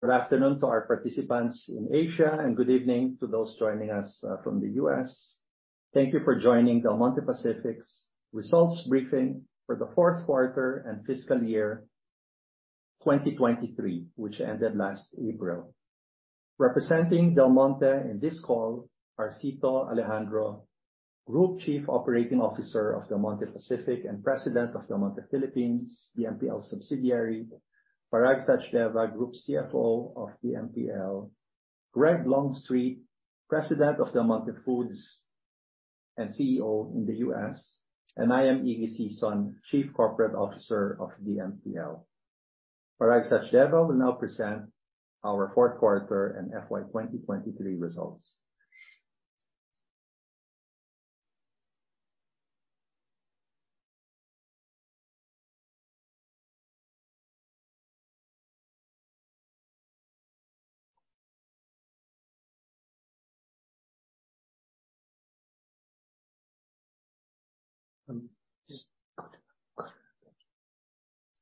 Good afternoon to our participants in Asia. Good evening to those joining us from the U.S. Thank you for joining Del Monte Pacific's results briefing for the fourth quarter and fiscal year 2023, which ended last April. Representing Del Monte in this call are Cito Alejandro, Group Chief Operating Officer of Del Monte Pacific, and President of Del Monte Philippines, DMPL subsidiary. Parag Sachdeva, Group CFO of DMPL. Greg Longstreet, President of Del Monte Foods and CEO in the U.S. I am Iggy Sison, Chief Corporate Officer of DMPL. Parag Sachdeva will now present our fourth quarter and FY 2023 results.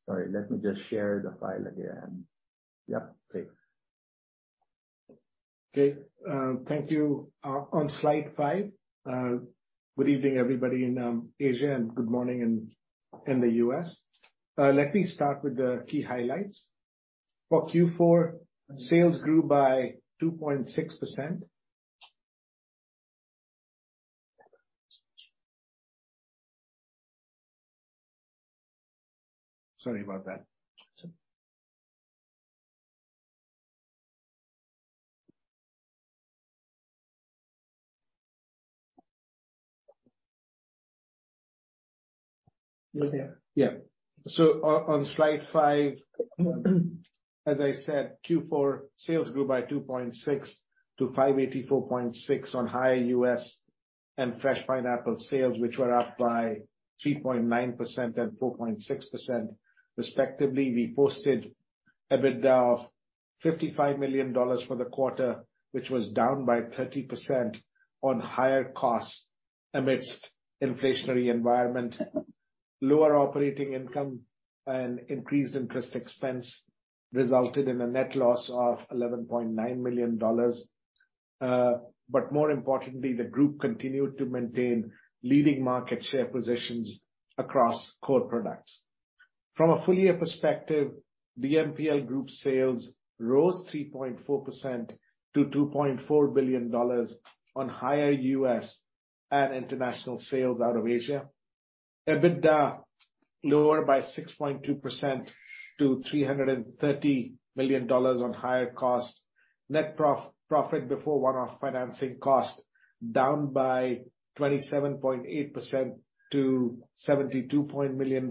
Sorry, let me just share the file again. Yep, please. Okay. Thank you. On slide five, good evening, everybody in Asia. Good morning in the US. Let me start with the key highlights. For Q4, sales grew by 2.6%. Sorry about that. We're there. On, on slide five, as I said, Q4, sales grew by 2.6% to $584.6 million on higher US and fresh pineapple sales, which were up by 3.9% and 4.6% respectively. We posted EBITDA of $55 million for the quarter, which was down by 30% on higher costs amidst inflationary environment. Lower operating income and increased interest expense resulted in a net loss of $11.9 million. More importantly, the group continued to maintain leading market share positions across core products. From a full year perspective, DMPL Group sales rose 3.4% to $2.4 billion on higher US and international sales out of Asia. EBITDA lowered by 6.2% to $330 million on higher costs. Profit before one-off financing cost, down by 27.8% to $72 million,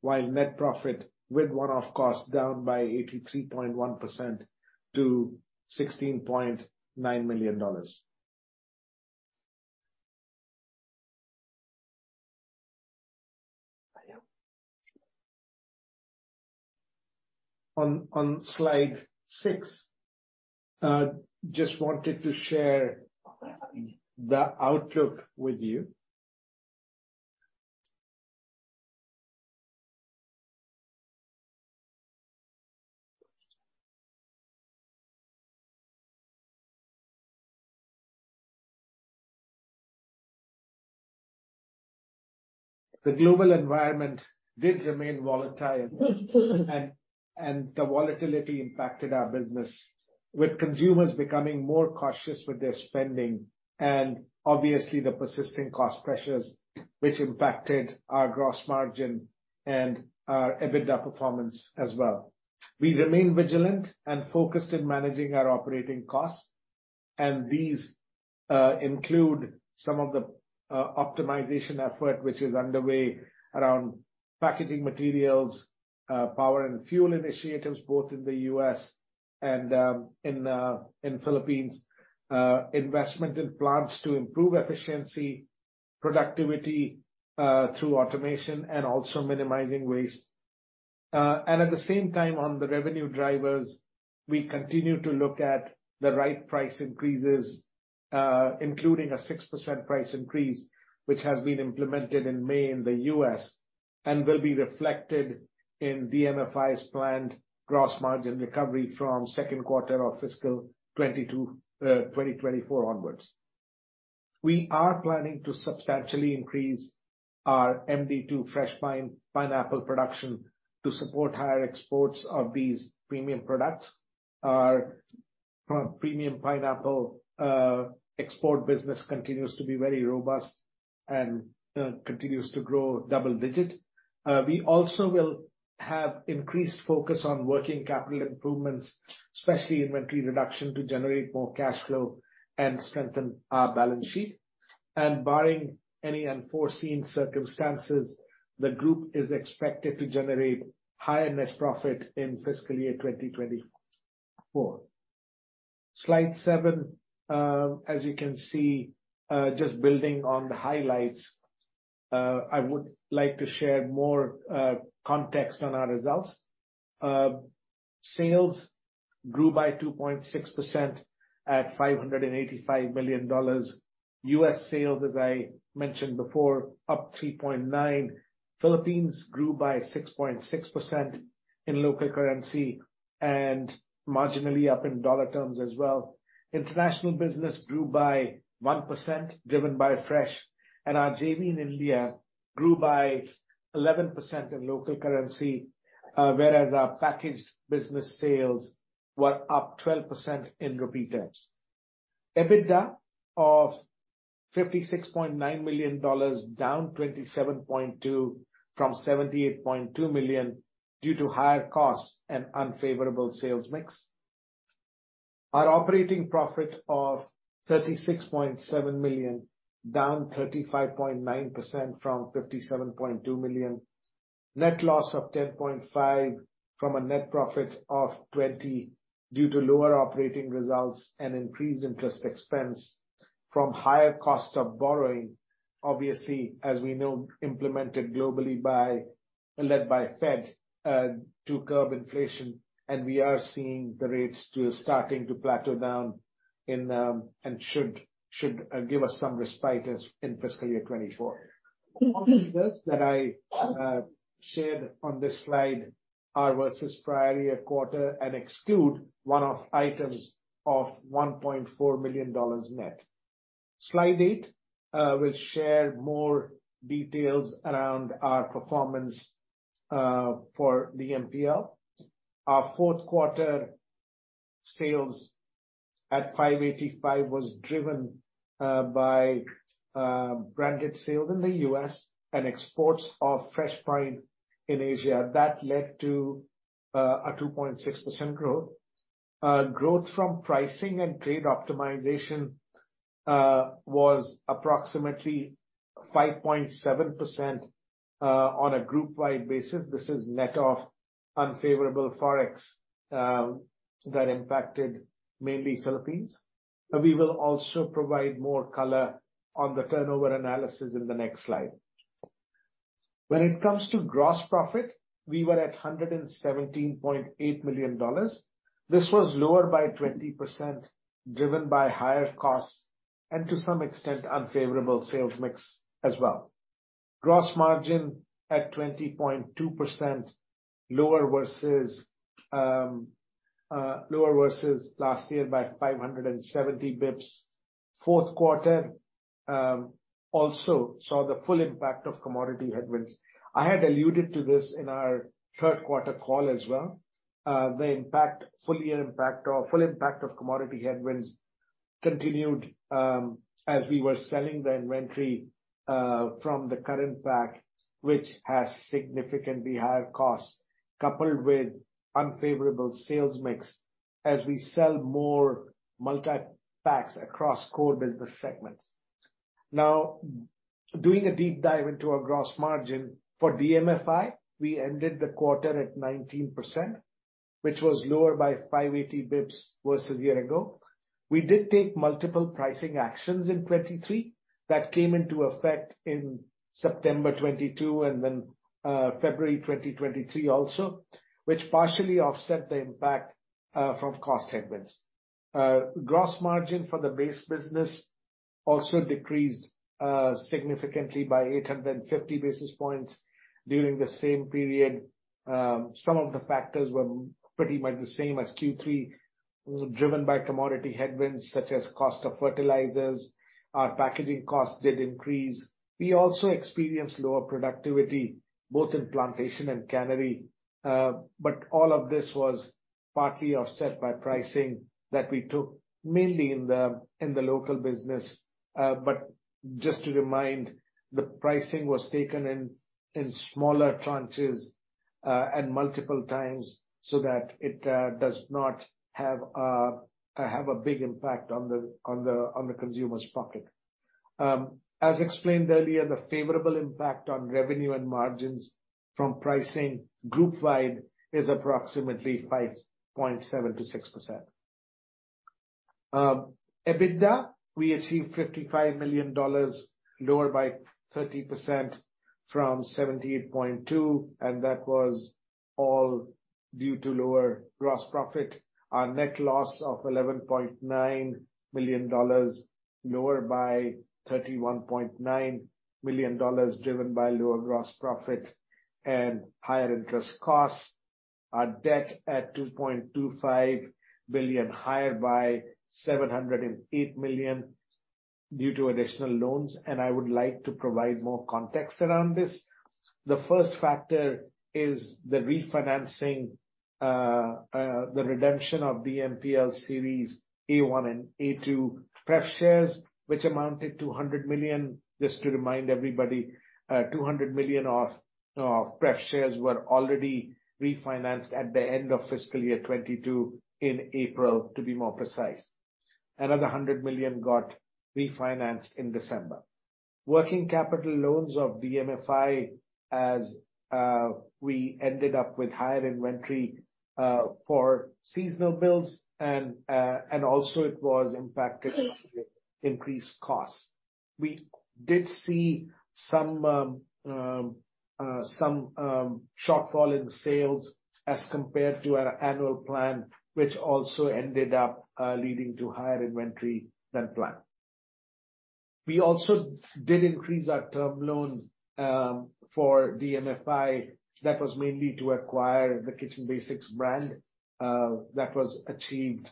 while net profit with one-off cost down by 83.1% to $16.9 million. Yeah. On slide 6, just wanted to share the outlook with you. The global environment did remain volatile, and the volatility impacted our business, with consumers becoming more cautious with their spending, and obviously, the persisting cost pressures, which impacted our gross margin and our EBITDA performance as well. We remain vigilant and focused in managing our operating costs, and these include some of the optimization effort, which is underway around packaging materials, power and fuel initiatives, both in the U.S. and in Philippines. Investment in plants to improve efficiency, productivity, through automation and also minimizing waste. At the same time, on the revenue drivers, we continue to look at the right price increases, including a 6% price increase, which has been implemented in May in the US, and will be reflected in DMFI's planned gross margin recovery from second quarter of fiscal 2020 to 2024 onwards. We are planning to substantially increase our MD2 fresh pineapple production to support higher exports of these premium products. Our premium pineapple export business continues to be very robust and continues to grow double digit. We also will have increased focus on working capital improvements, especially inventory reduction, to generate more cash flow and strengthen our balance sheet. Barring any unforeseen circumstances, the group is expected to generate higher net profit in fiscal year 2024. Slide seven, as you can see, just building on the highlights, I would like to share more context on our results. Sales grew by 2.6% at $585 million. U.S. sales, as I mentioned before, up 3.9%. Philippines grew by 6.6% in local currency and marginally up in dollar terms as well. International business grew by 1%, driven by fresh, and our JV in India grew by 11% in local currency, whereas our packaged business sales were up 12% in rupee terms. EBITDA of $56.9 million, down 27.2% from $78.2 million, due to higher costs and unfavorable sales mix. Our operating profit of $36.7 million, down 35.9% from $57.2 million. Net loss of $10.5 from a net profit of $20, due to lower operating results and increased interest expense from higher cost of borrowing, obviously, as we know, implemented globally led by Fed to curb inflation, and we are seeing the rates starting to plateau down in the... and should give us some respite as in fiscal year 2024. That I shared on this slide are versus prior year quarter and exclude one-off items of $1.4 million net. Slide 8 will share more details around our performance for DMPL. Our fourth quarter sales at $585 was driven by branded sales in the U.S. and exports of fresh pine in Asia. That led to a 2.6% growth. Growth from pricing and trade optimization was approximately 5.7% on a group-wide basis. This is net of unfavorable Forex that impacted mainly Philippines. We will also provide more color on the turnover analysis in the next slide. When it comes to gross profit, we were at $117.8 million. This was lower by 20%, driven by higher costs and to some extent, unfavorable sales mix as well. Gross margin at 20.2%, lower versus last year by 570 basis points. Fourth quarter also saw the full impact of commodity headwinds. I had alluded to this in our third quarter call as well. The impact, full year impact or full impact of commodity headwinds continued as we were selling the inventory from the current pack, which has significantly higher costs, coupled with unfavorable sales mix as we sell more multi-packs across core business segments. Doing a deep dive into our gross margin, for DMFI, we ended the quarter at 19%, which was lower by 580 basis points versus a year ago. We did take multiple pricing actions in 2023, that came into effect in September 2022 and then February 2023 also, which partially offset the impact from cost headwinds. Gross margin for the base business also decreased significantly by 850 basis points during the same period. Some of the factors were pretty much the same as Q3, driven by commodity headwinds, such as cost of fertilizers. Our packaging costs did increase. We also experienced lower productivity, both in plantation and cannery, but all of this was partly offset by pricing that we took, mainly in the local business. Just to remind, the pricing was taken in smaller tranches at multiple times so that it does not have a big impact on the consumer's pocket. As explained earlier, the favorable impact on revenue and margins from pricing group wide is approximately 5.7%-6%. EBITDA, we achieved $55 million, lower by 30% from $78.2 million, and that was all due to lower gross profit. Our net loss of $11.9 million, lower by $31.9 million, driven by lower gross profit and higher interest costs. Our debt at $2.25 billion, higher by $708 million due to additional loans. I would like to provide more context around this. The first factor is the refinancing, the redemption of DMPL Series A-1 and A-2 pref shares, which amounted to $100 million. Just to remind everybody, $200 million of pref shares were already refinanced at the end of fiscal year 2022, in April, to be more precise. Another $100 million got refinanced in December. Working capital loans of DMFI, we ended up with higher inventory for seasonal bills and also it was impacted with increased costs. We did see some shortfall in sales as compared to our annual plan, which also ended up leading to higher inventory than planned. We also did increase our term loan for DMFI. That was mainly to acquire the Kitchen Basics brand that was achieved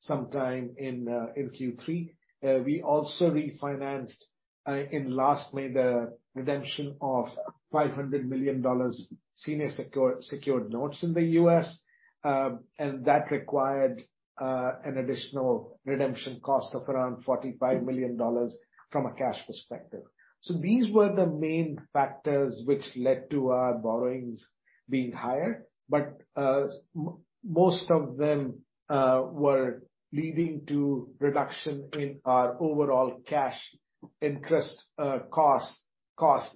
sometime in Q3. We also refinanced in last May, the redemption of $500 million senior secured notes in the U.S., and that required an additional redemption cost of around $45 million from a cash perspective. These were the main factors which led to our borrowings being higher, but most of them were leading to reduction in our overall cash interest costs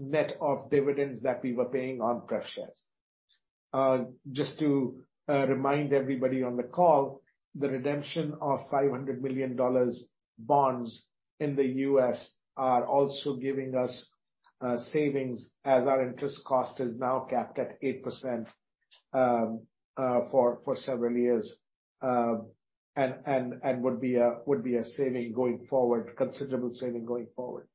net of dividends that we were paying on pref shares. Just to remind everybody on the call, the redemption of $500 million bonds in the U.S. are also giving us savings, as our interest cost is now capped at 8% for several years, and would be a saving going forward, considerable saving going forward.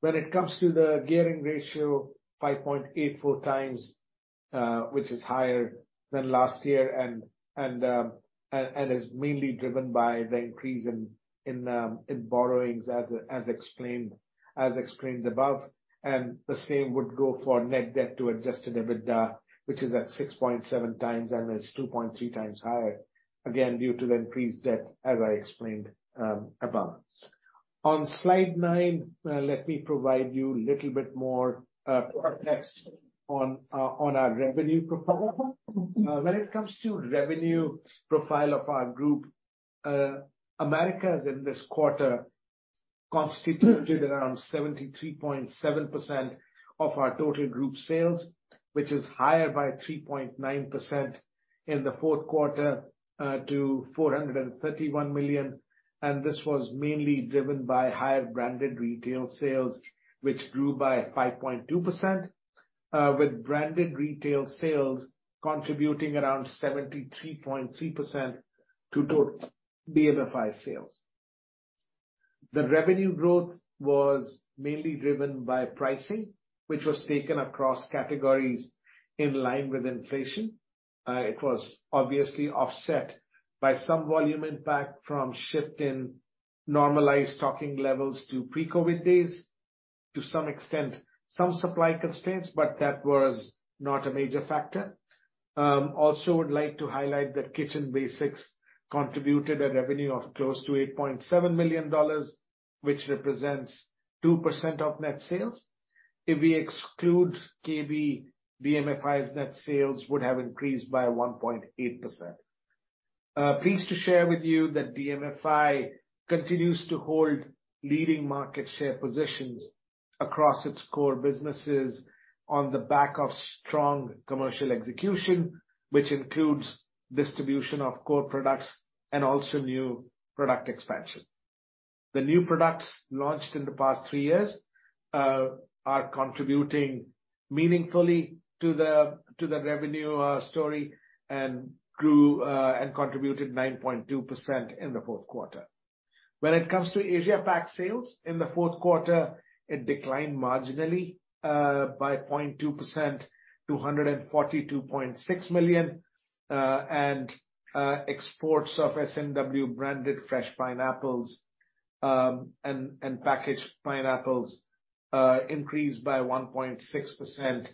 When it comes to the gearing ratio, 5.84x, which is higher than last year, and is mainly driven by the increase in borrowings, as explained above. The same would go for net debt to adjusted EBITDA, which is at 6.7x, and is 2.3x higher, again, due to the increased debt, as I explained above. On slide 9, let me provide you a little bit more context on our revenue profile. When it comes to revenue profile of our group, Americas in this quarter constituted around 73.7% of our total group sales, which is higher by 3.9% in the fourth quarter to $431 million, and this was mainly driven by higher branded retail sales, which grew by 5.2%, with branded retail sales contributing around 73.3% to total DMFI sales. The revenue growth was mainly driven by pricing, which was taken across categories in line with inflation. It was obviously offset by some volume impact from shift in normalized stocking levels to pre-COVID days, to some extent, some supply constraints, but that was not a major factor. Also would like to highlight that Kitchen Basics contributed a revenue of close to $8.7 million, which represents 2% of net sales. If we exclude KB, DMFI's net sales would have increased by 1.8%. Pleased to share with you that DMFI continues to hold leading market share positions across its core businesses on the back of strong commercial execution, which includes distribution of core products and also new product expansion. The new products launched in the past three years are contributing meaningfully to the revenue story, and grew and contributed 9.2% in the fourth quarter. When it comes to Asia Pac sales, in the fourth quarter, it declined marginally by 0.2% to $142.6 million, and exports of S&W-branded fresh pineapples and packaged pineapples increased by 1.6%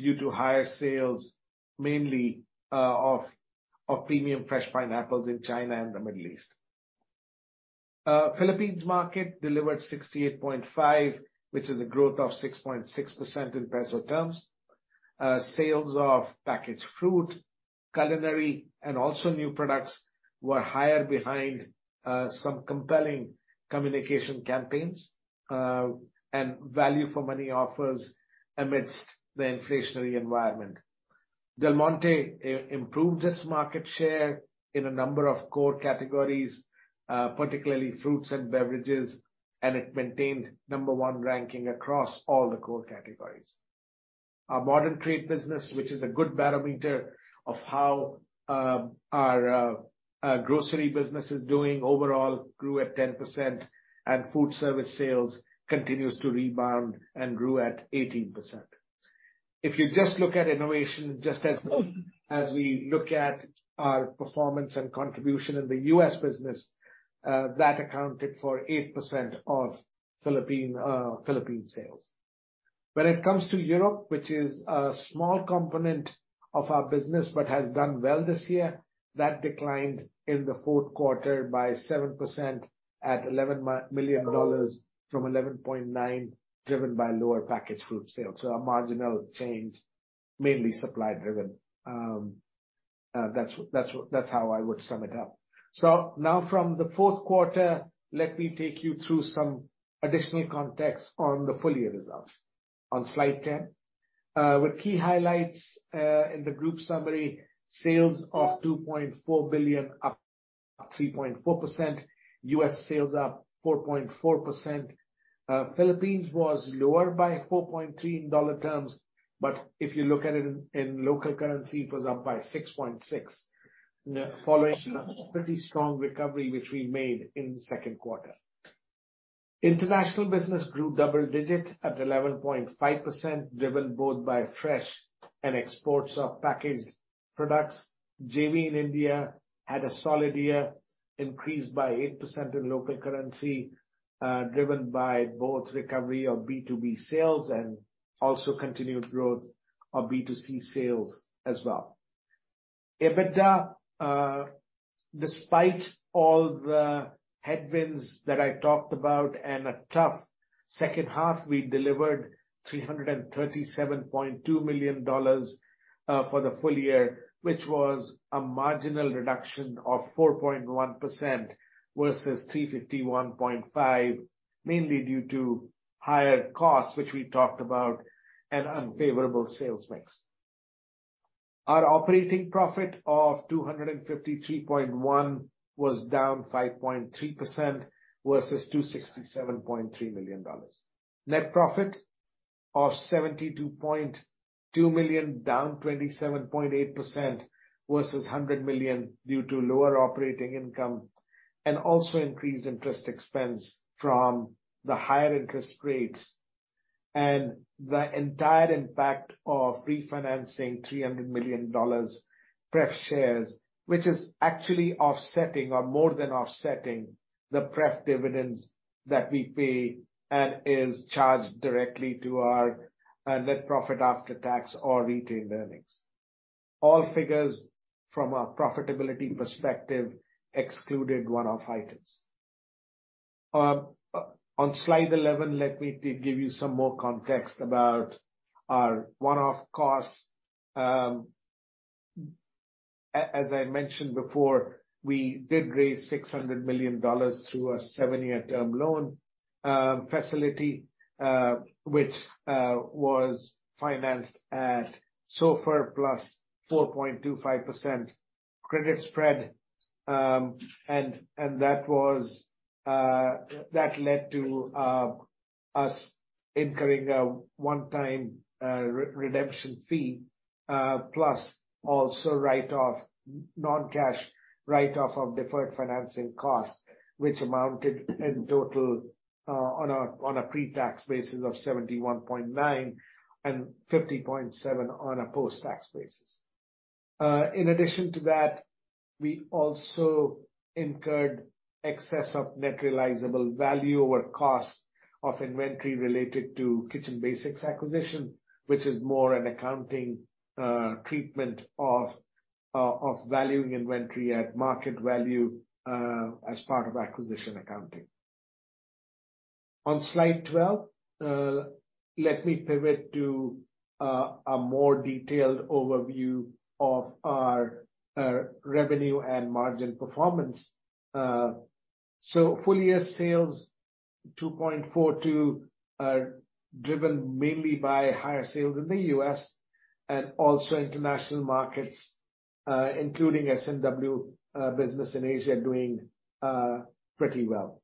due to higher sales, mainly of premium fresh pineapples in China and the Middle East. Philippines market delivered 68.5 million, which is a growth of 6.6% in PHP terms. Sales of packaged fruit, culinary, and also new products were higher behind some compelling communication campaigns and value for money offers amidst the inflationary environment. Del Monte improved its market share in a number of core categories, particularly fruits and beverages, and it maintained number one ranking across all the core categories. Our modern trade business, which is a good barometer of how our grocery business is doing overall, grew at 10%, and food service sales continues to rebound and grew at 18%. If you just look at innovation, just as we look at our performance and contribution in the U.S. business, that accounted for 8% of Philippine sales. When it comes to Europe, which is a small component of our business, but has done well this year, that declined in the fourth quarter by 7% at $11 million from $11.9, driven by lower packaged food sales. A marginal change, mainly supply driven. That's how I would sum it up. Now from the fourth quarter, let me take you through some additional context on the full year results. On slide 10.... With key highlights in the group summary, sales of $2.4 billion, up 3.4%. U.S. sales up 4.4%. Philippines was lower by 4.3% in dollar terms, but if you look at it in local currency, it was up by 6.6%, following a pretty strong recovery, which we made in the second quarter. International business grew double digit at 11.5%, driven both by fresh and exports of packaged products. JV in India had a solid year, increased by 8% in local currency, driven by both recovery of B2B sales and also continued growth of B2C sales as well. EBITDA, despite all the headwinds that I talked about and a tough second half, we delivered $337.2 million for the full year, which was a marginal reduction of 4.1% versus $351.5 million, mainly due to higher costs, which we talked about, and unfavorable sales mix. Our operating profit of $253.1 million was down 5.3% versus $267.3 million. Net profit of $72.2 million, down 27.8% versus $100 million due to lower operating income, and also increased interest expense from the higher interest rates. The entire impact of refinancing $300 million pref shares, which is actually offsetting or more than offsetting the pref dividends that we pay and is charged directly to our net profit after tax or retained earnings. All figures from a profitability perspective excluded one-off items. On slide 11, let me give you some more context about our one-off costs. As I mentioned before, we did raise $600 million through a 7-year term loan facility, which was financed at SOFR plus 4.25% credit spread. That led to us incurring a one-time redemption fee plus also non-cash write-off of deferred financing costs, which amounted in total on a pre-tax basis of $71.9 and $50.7 on a post-tax basis. In addition to that, we also incurred excess of net realizable value over cost of inventory related to Kitchen Basics acquisition, which is more an accounting treatment of valuing inventory at market value as part of acquisition accounting. On slide 12, let me pivot to a more detailed overview of our revenue and margin performance. Full year sales, $2.42, are driven mainly by higher sales in the US and also international markets, including S&W business in Asia, doing pretty well.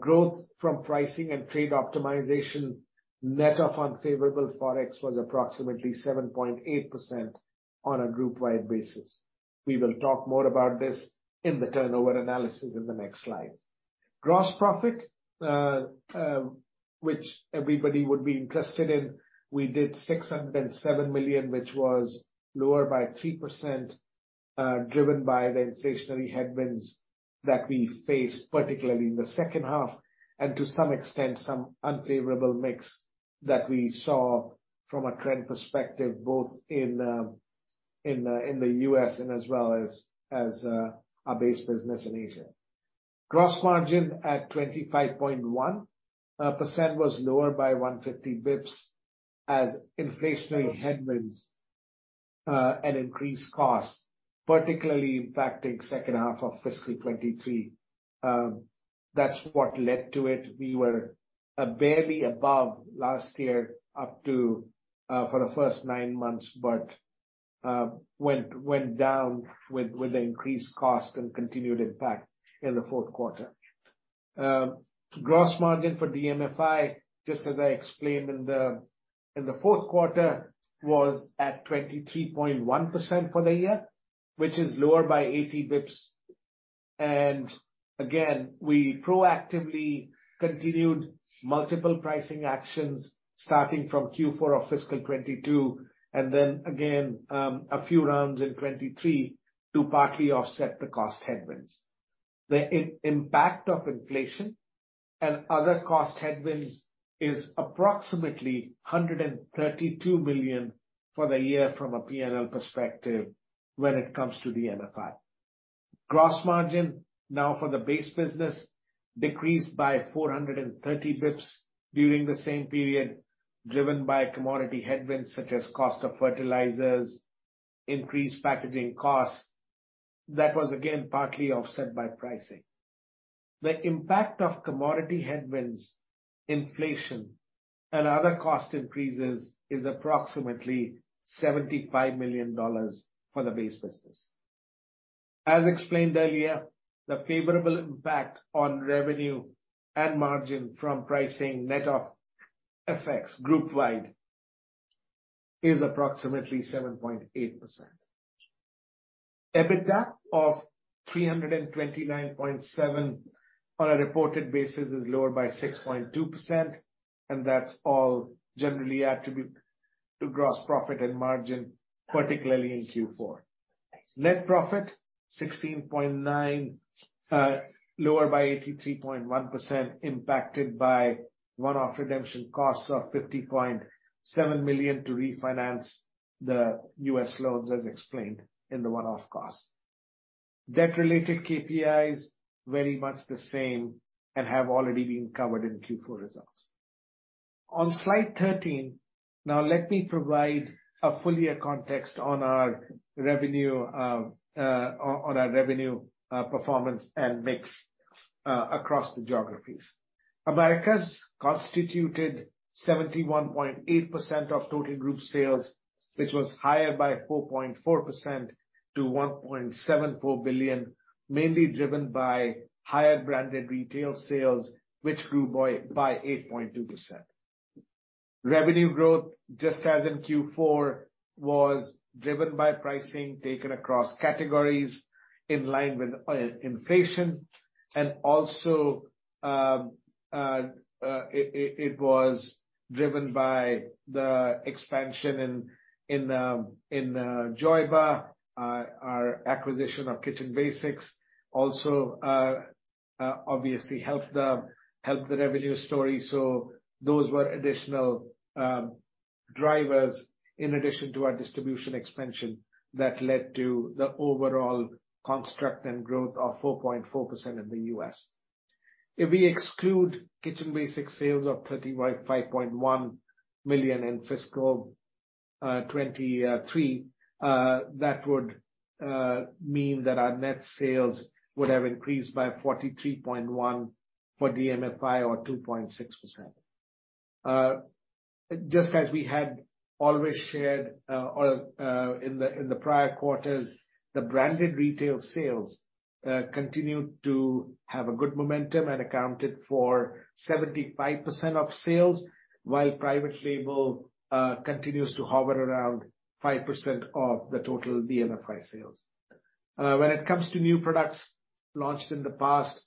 Growth from pricing and trade optimization, net of unfavorable Forex, was approximately 7.8% on a group-wide basis. We will talk more about this in the turnover analysis in the next slide. Gross profit, which everybody would be interested in, we did $607 million, which was lower by 3%, driven by the inflationary headwinds that we faced, particularly in the second half, and to some extent, some unfavorable mix that we saw from a trend perspective, both in the U.S. and as well as our base business in Asia. Gross margin at 25.1% was lower by 150 basis points as inflationary headwinds and increased costs, particularly impacting second half of fiscal 2023. That's what led to it. We were barely above last year up to for the first nine months, but went down with the increased cost and continued impact in the fourth quarter. Gross margin for DMFI, just as I explained in the fourth quarter, was at 23.1% for the year, which is lower by 80 basis points. Again, we proactively continued multiple pricing actions starting from Q4 of fiscal 2022, and then again, a few rounds in 2023, to partly offset the cost headwinds. The impact of inflation and other cost headwinds is approximately $132 million for the year from a P&L perspective when it comes to DMFI. Gross margin, now for the base business, decreased by 430 basis points during the same period, driven by commodity headwinds, such as cost of fertilizers, increased packaging costs. That was again partly offset by pricing. The impact of commodity headwinds, inflation, and other cost increases is approximately $75 million for the base business. As explained earlier, the favorable impact on revenue and margin from pricing net of FX group wide is approximately 7.8%. EBITDA of $329.7 on a reported basis is lower by 6.2%. That's all generally attributed to gross profit and margin, particularly in Q4. Net profit $16.9, lower by 83.1%, impacted by one-off redemption costs of $50.7 million to refinance the US loans, as explained in the one-off costs. Debt-related KPIs, very much the same and have already been covered in Q4 results. On slide 13, now let me provide a full year context on our revenue performance and mix across the geographies. Americas constituted 71.8% of total group sales, which was higher by 4.4% to $1.74 billion, mainly driven by higher branded retail sales, which grew by 8.2%. Revenue growth, just as in Q4, was driven by pricing taken across categories in line with inflation. Also, it was driven by the expansion in JOYBA, our acquisition of Kitchen Basics, also obviously helped the revenue story. Those were additional drivers in addition to our distribution expansion that led to the overall construct and growth of 4.4% in the U.S. If we exclude Kitchen Basics sales of $35.1 million in fiscal 2023, that would mean that our net sales would have increased by 43.1% for DMFI or 2.6%. Just as we had always shared, or in the prior quarters, the branded retail sales continued to have a good momentum and accounted for 75% of sales, while private label continues to hover around 5% of the total DMFI sales. When it comes to new products launched in the past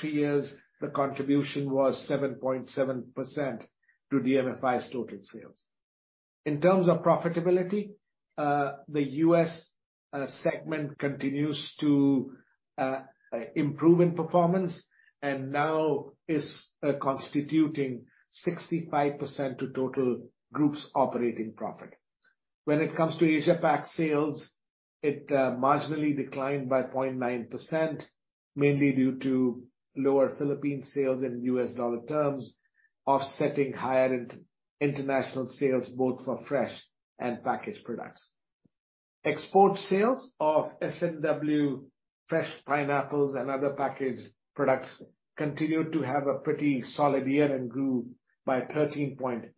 three years, the contribution was 7.7% to DMFI's total sales. In terms of profitability, the U.S. segment continues to improve in performance and now is constituting 65% to total group's operating profit. When it comes to Asia-Pac sales, it marginally declined by 0.9%, mainly due to lower Del Monte Philippines sales in USD terms, offsetting higher international sales both for fresh and packaged products. Export sales of S&W fresh pineapples and other packaged products continued to have a pretty solid year and grew by 13.8%.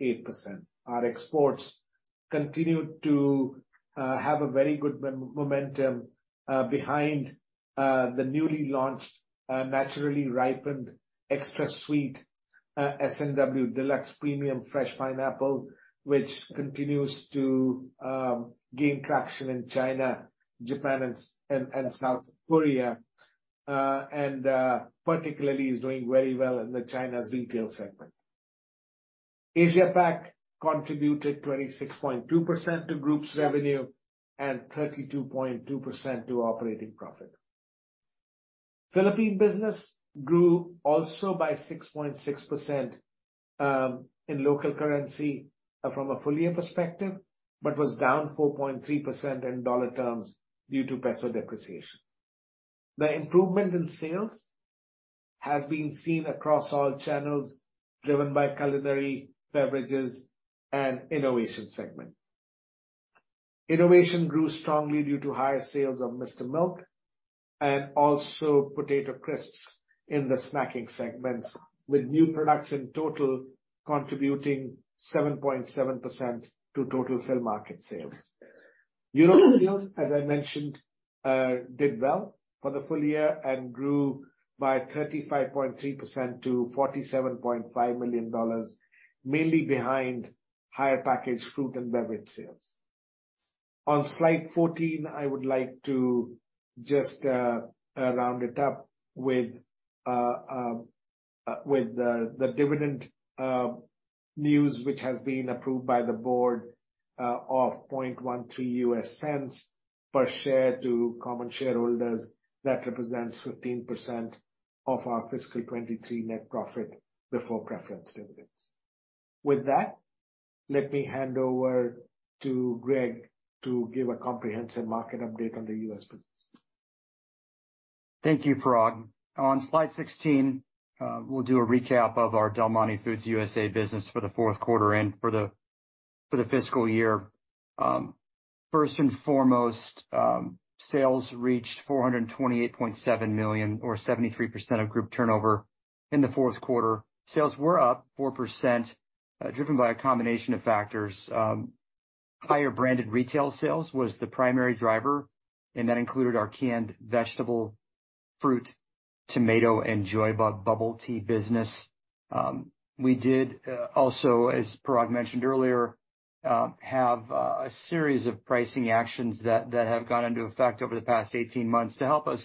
Our exports continued to have a very good momentum behind the newly launched, naturally ripened, extra sweet, S&W Deluxe premium fresh pineapple, which continues to gain traction in China, Japan, and South Korea, and particularly is doing very well in the China's retail segment. Asia-Pac contributed 26.2% to group's revenue and 32.2% to operating profit. Philippine business grew also by 6.6% in local currency from a full year perspective, but was down 4.3% in dollar terms due to PHP depreciation. The improvement in sales has been seen across all channels, driven by culinary, beverages, and innovation segment. Innovation grew strongly due to higher sales of Mr. Milk and also potato crisps in the snacking segments, with new products in total contributing 7.7% to total sell market sales. Europe sales, as I mentioned, did well for the full year and grew by 35.3% to $47.5 million, mainly behind higher packaged fruit and beverage sales. On slide 14, I would like to just round it up with the dividend news, which has been approved by the board of $0.0013 per share to common shareholders. That represents 15% of our fiscal 2023 net profit before preference dividends. With that, let me hand over to Greg to give a comprehensive market update on the U.S. business. Thank you, Parag. On slide 16, we'll do a recap of our Del Monte Foods USA business for the fourth quarter and for the fiscal year. first and foremost, sales reached $428.7 million or 73% of group turnover in the fourth quarter. Sales were up 4%, driven by a combination of factors. higher branded retail sales was the primary driver, and that included our canned vegetable, fruit, tomato and JOYBA Bubble Tea business. we did also, as Parag mentioned earlier, have a series of pricing actions that have gone into effect over the past 18 months to help us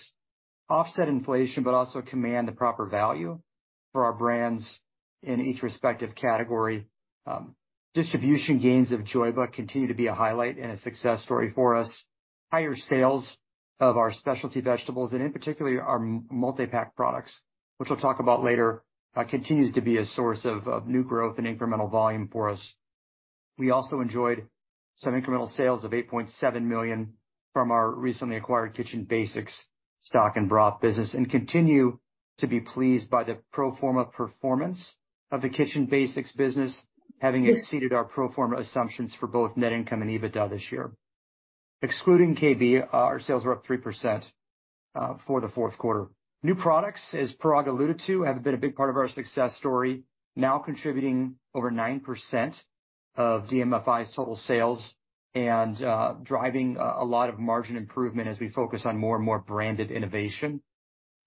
offset inflation, but also command the proper value for our brands in each respective category. distribution gains of JOYBA continue to be a highlight and a success story for us. Higher sales of our specialty vegetables and in particular, our multipack products, which we'll talk about later, continues to be a source of new growth and incremental volume for us. We also enjoyed some incremental sales of $8.7 million from our recently acquired Kitchen Basics stock and broth business, and continue to be pleased by the pro forma performance of the Kitchen Basics business, having exceeded our pro forma assumptions for both net income and EBITDA this year. Excluding KB, our sales were up 3% for the fourth quarter. New products, as Parag alluded to, have been a big part of our success story, now contributing over 9% of DMFI's total sales and driving a lot of margin improvement as we focus on more and more branded innovation.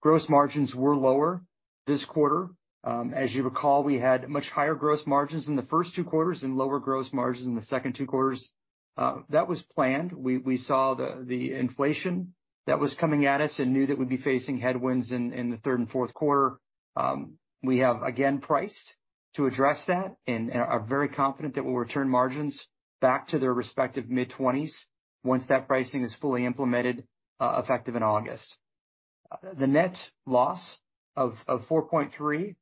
Gross margins were lower this quarter. As you recall, we had much higher gross margins in the first two quarters and lower gross margins in the second two quarters. That was planned. We saw the inflation that was coming at us and knew that we'd be facing headwinds in the third and fourth quarter. We have again priced to address that and are very confident that we'll return margins back to their respective mid-20s once that pricing is fully implemented, effective in August. The net loss of 4.3,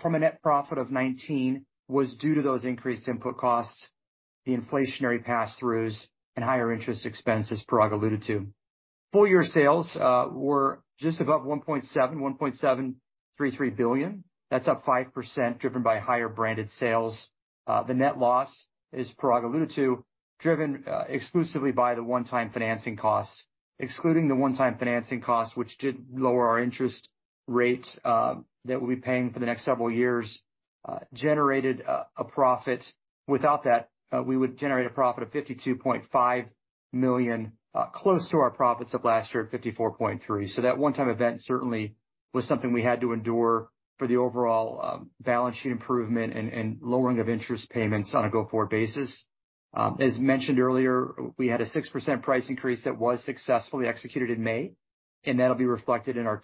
from a net profit of 19, was due to those increased input costs, the inflationary pass-throughs and higher interest expense, as Parag alluded to. Full year sales were just above $1.7 billion, $1.733 billion. That's up 5%, driven by higher branded sales. The net loss, as Parag alluded to, driven exclusively by the one-time financing costs. Excluding the one-time financing costs, which did lower our interest rate that we'll be paying for the next several years, generated a profit. Without that, we would generate a profit of $52.5 million, close to our profits of last year at $54.3 million. That one-time event certainly was something we had to endure for the overall balance sheet improvement and lowering of interest payments on a go-forward basis. As mentioned earlier, we had a 6% price increase that was successfully executed in May, and that'll be reflected in our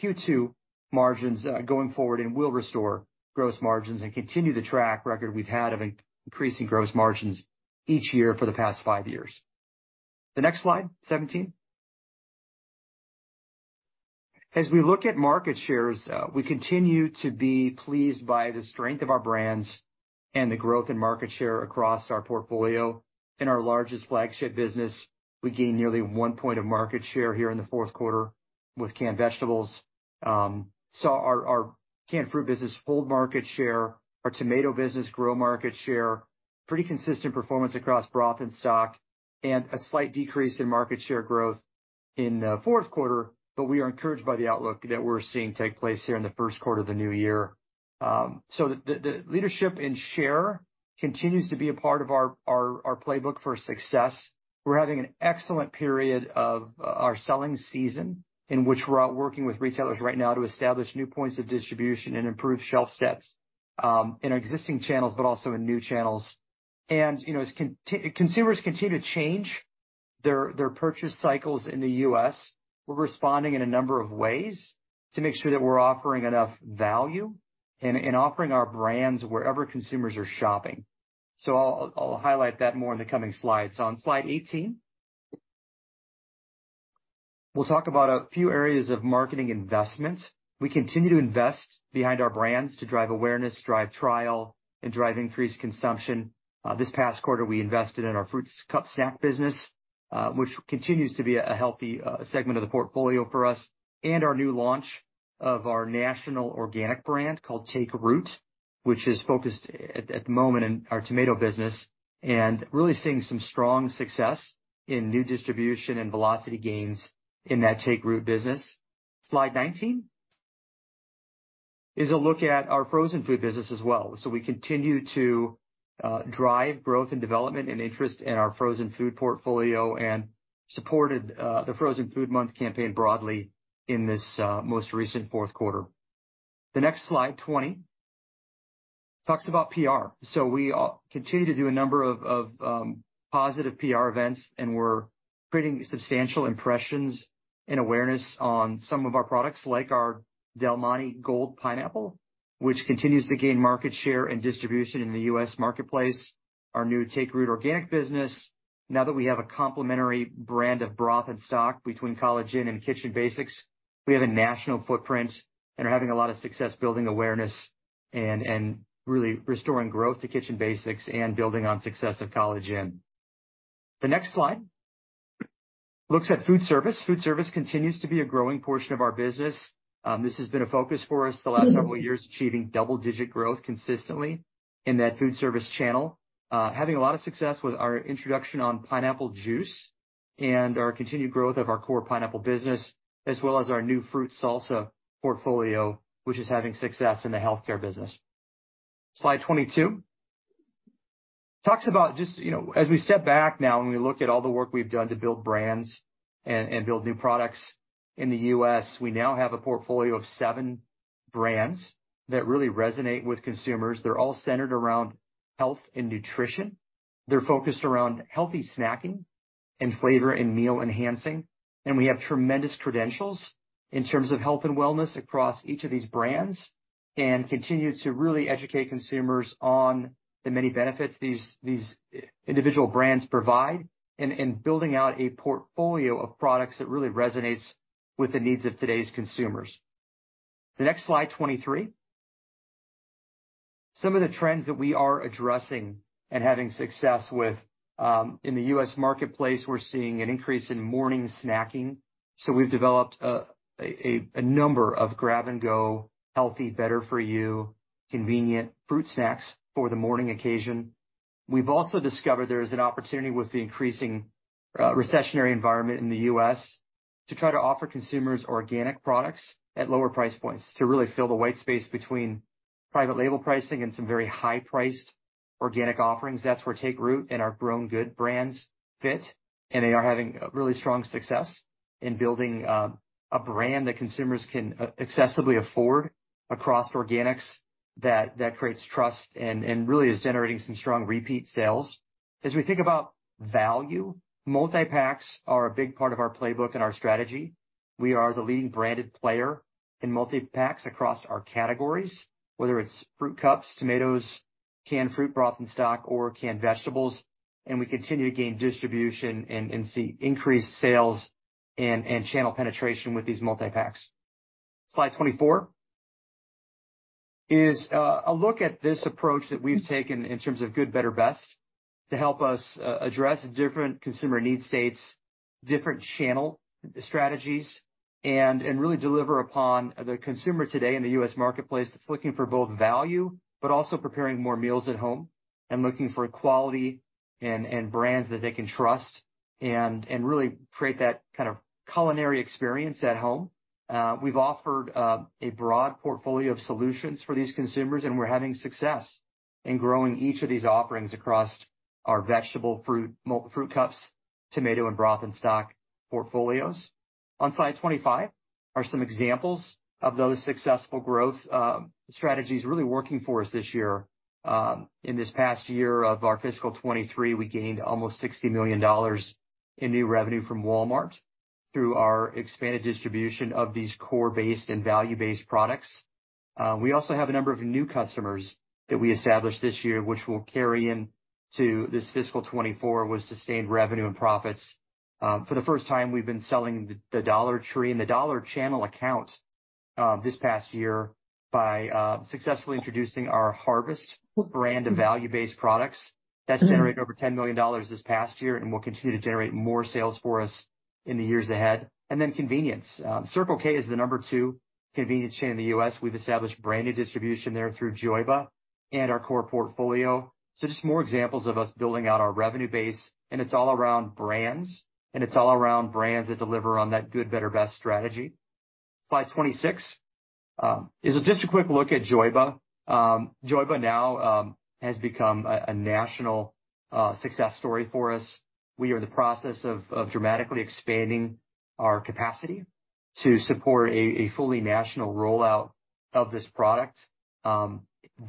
Q2 margins going forward and will restore gross margins and continue the track record we've had of increasing gross margins each year for the past five years. The next slide, 17. As we look at market shares, we continue to be pleased by the strength of our brands and the growth in market share across our portfolio. In our largest flagship business, we gained nearly 1 point of market share here in the fourth quarter with canned vegetables. Our canned fruit business hold market share, our tomato business grow market share, pretty consistent performance across broth and stock, and a slight decrease in market share growth in the fourth quarter, but we are encouraged by the outlook that we're seeing take place here in the first quarter of the new year. The leadership and share continues to be a part of our playbook for success. We're having an excellent period of our selling season, in which we're out working with retailers right now to establish new points of distribution and improve shelf steps in our existing channels, but also in new channels. You know, as consumers continue to change their purchase cycles in the US, we're responding in a number of ways to make sure that we're offering enough value and offering our brands wherever consumers are shopping. I'll highlight that more in the coming slides. On slide 18, we'll talk about a few areas of marketing investment. We continue to invest behind our brands to drive awareness, drive trial, and drive increased consumption. This past quarter, we invested in our fruits cup snack business, which continues to be a healthy segment of the portfolio for us, and our new launch of our national organic brand called Take Root, which is focused at the moment in our tomato business, and really seeing some strong success in new distribution and velocity gains in that Take Root business. Slide 19 is a look at our frozen food business as well. We continue to drive growth and development and interest in our frozen food portfolio, and supported the Frozen Food Month campaign broadly in this most recent fourth quarter. The next slide, 20, talks about PR. We continue to do a number of positive PR events, and we're creating substantial impressions and awareness on some of our products, like our Del Monte Gold Pineapple, which continues to gain market share and distribution in the US marketplace. Our new Take Root organic business, now that we have a complimentary brand of broth and stock between College Inn and Kitchen Basics, we have a national footprint and are having a lot of success building awareness and really restoring growth to Kitchen Basics and building on success of College Inn. The next slide looks at food service. Food service continues to be a growing portion of our business. This has been a focus for us the last several years, achieving double-digit growth consistently in that food service channel. Having a lot of success with our introduction on pineapple juice and our continued growth of our core pineapple business, as well as our new Fruit Salsa portfolio, which is having success in the healthcare business. Slide 22, talks about just, you know, as we step back now, and we look at all the work we've done to build brands and build new products in the US, we now have a portfolio of seven brands that really resonate with consumers. They're all centered around health and nutrition. They're focused around healthy snacking and flavor and meal enhancing. We have tremendous credentials in terms of health and wellness across each of these brands, and continue to really educate consumers on the many benefits these individual brands provide, and building out a portfolio of products that really resonates with the needs of today's consumers. The next slide, 23. Some of the trends that we are addressing and having success with in the US marketplace, we're seeing an increase in morning snacking. We've developed a number of grab and go healthy, better for you, convenient fruit snacks for the morning occasion. We've also discovered there is an opportunity with the increasing recessionary environment in the US to try to offer consumers organic products at lower price points, to really fill the white space between private label pricing and some very high-priced organic offerings. That's where Take Root and our Grown Good brands fit, and they are having a really strong success in building a brand that consumers can accessibly afford across organics that creates trust and really is generating some strong repeat sales. As we think about value, multi-packs are a big part of our playbook and our strategy. We are the leading branded player in multi-packs across our categories, whether it's fruit cups, tomatoes, canned fruit, broth and stock, or canned vegetables, and we continue to gain distribution and see increased sales and channel penetration with these multi-packs. Slide 24 is a look at this approach that we've taken in terms of good, better, best to help us address different consumer need states, different channel strategies, and really deliver upon the consumer today in the U.S. marketplace that's looking for both value, but also preparing more meals at home, and looking for quality and brands that they can trust and really create that kind of culinary experience at home. We've offered a broad portfolio of solutions for these consumers, and we're having success in growing each of these offerings across our vegetable, fruit cups, tomato and broth and stock portfolios. On slide 25, are some examples of those successful growth strategies really working for us this year. In this past year of our fiscal 2023, we gained almost $60 million in new revenue from Walmart through our expanded distribution of these core-based and value-based products. We also have a number of new customers that we established this year, which will carry in to this fiscal 2024, with sustained revenue and profits. For the first time, we've been selling the Dollar Tree and the dollar channel account this past year by successfully introducing our Harvest brand of value-based products. That's generated over $10 million this past year and will continue to generate more sales for us in the years ahead. Convenience. Circle K is the number two convenience chain in the U.S. We've established branded distribution there through JOYBA and our core portfolio. More examples of us building out our revenue base, and it's all around brands, and it's all around brands that deliver on that good, better, best strategy. Slide 26 is just a quick look at JOYBA. JOYBA now has become a national success story for us. We are in the process of dramatically expanding our capacity to support a fully national rollout of this product.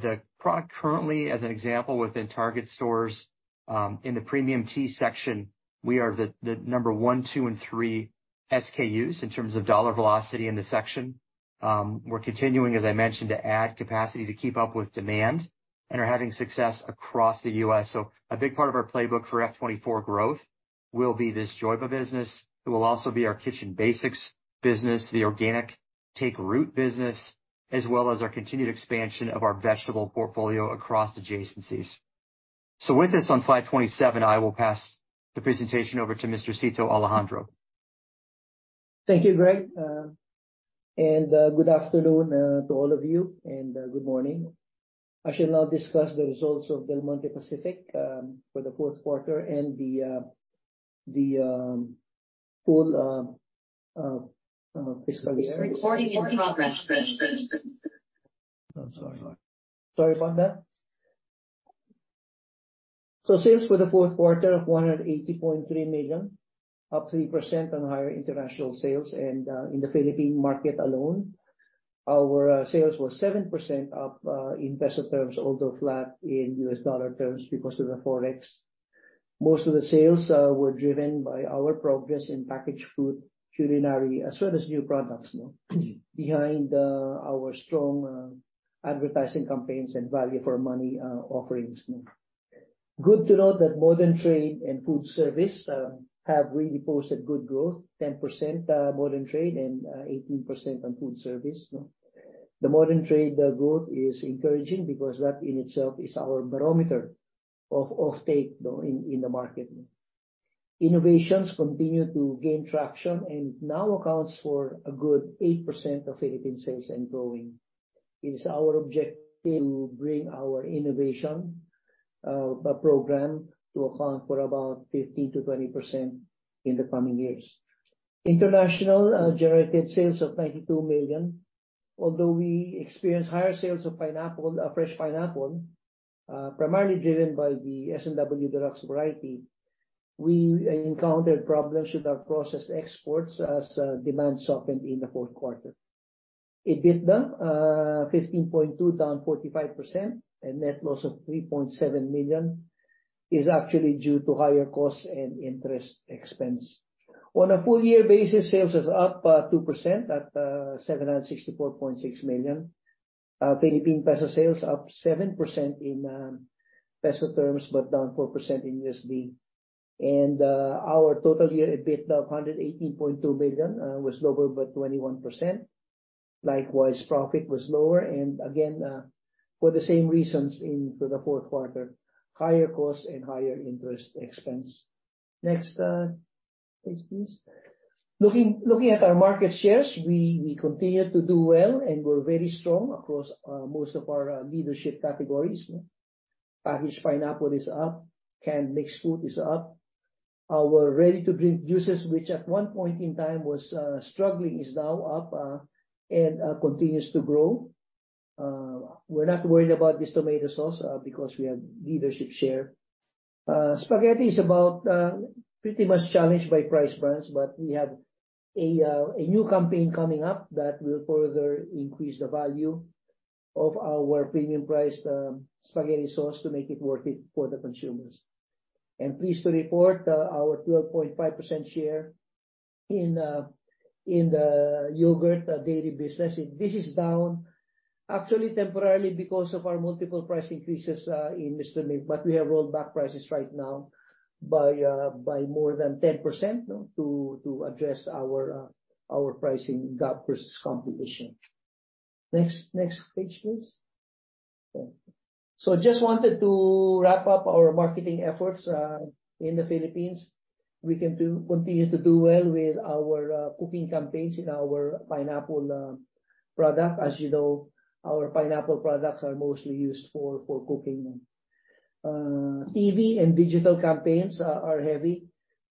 The product currently, as an example, within Target stores, in the premium tea section, we are the number one, two, and three SKUs in terms of dollar velocity in the section. We're continuing, as I mentioned, to add capacity to keep up with demand and are having success across the US. A big part of our playbook for Fiscal 2024 growth will be this JOYBA business. It will also be our Kitchen Basics business, the organic Take Root business, as well as our continued expansion of our vegetable portfolio across adjacencies. With this, on slide 27, I will pass the presentation over to Mr. Cito Alejandro. Thank you, Greg, and good afternoon to all of you, and good morning. I shall now discuss the results of Del Monte Pacific for the fourth quarter and the full fiscal year. Recording in progress. I'm sorry. Sorry about that. Sales for the fourth quarter of $180.3 million, up 3% on our international sales and, in the Philippine market alone, our sales were 7% up, in PHP terms, although flat in USD terms because of the Forex. Most of the sales were driven by our progress in packaged food, culinary, as well as new products, no? Behind our strong advertising campaigns and value for money offerings, no? Good to note that modern trade and food service have really posted good growth, 10% modern trade and 18% on food service, no? The modern trade growth is encouraging because that in itself is our barometer of take, though, in the market. Innovations continue to gain traction, now accounts for a good 8% of Philippine sales and growing. It is our objective to bring our innovation program to account for about 15%-20% in the coming years. International generated sales of $92 million. Although we experienced higher sales of pineapple, fresh pineapple, primarily driven by the S&W Deluxe variety, we encountered problems with our processed exports as demand softened in the fourth quarter. EBITDA $15.2 million, down 45%, and net loss of $3.7 million, is actually due to higher costs and interest expense. On a full year basis, sales is up 2% at $764.6 million. Philippine peso sales up 7% in PHP terms, but down 4% in USD. Our total year EBITDA of $118.2 million was lower by 21%. Likewise, profit was lower, and again, for the fourth quarter, higher costs and higher interest expense. Next page, please. Looking at our market shares, we continue to do well, and we're very strong across most of our leadership categories. Packaged pineapple is up, canned mixed fruit is up. Our ready-to-drink juices, which at one point in time was struggling, is now up and continues to grow. We're not worried about this tomato sauce because we have leadership share. Spaghetti is about pretty much challenged by price brands, we have a new campaign coming up that will further increase the value of our premium-priced spaghetti sauce to make it worth it for the consumers. Pleased to report our 12.5% share in the yogurt dairy business. This is down, actually temporarily, because of our multiple price increases in Mr. Milk, we have rolled back prices right now by more than 10% to address our pricing gap versus competition. Next page, please. Just wanted to wrap up our marketing efforts in the Philippines. We continue to do well with our cooking campaigns in our pineapple product. As you know, our pineapple products are mostly used for cooking. TV and digital campaigns are heavy.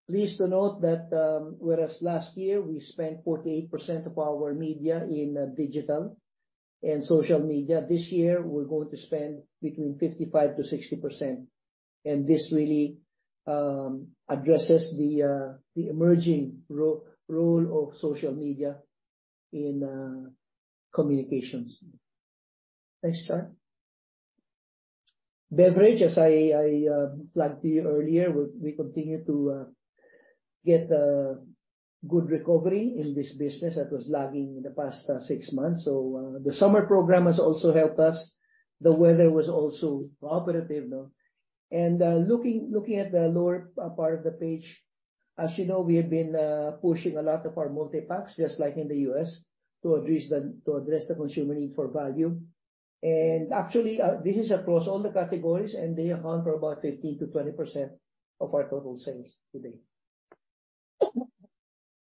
Pleased to note that, whereas last year, we spent 48% of our media in digital and social media, this year, we're going to spend between 55%-60%. This really addresses the emerging role of social media in communications. Next chart. Beverage, as I flagged to you earlier, we continue to get a good recovery in this business that was lagging in the past six months. The summer program has also helped us. The weather was also cooperative, no? Looking at the lower part of the page, as you know, we have been pushing a lot of our multi-packs, just like in the US, to address the consumer need for value. Actually, this is across all the categories, and they account for about 15%-20% of our total sales today.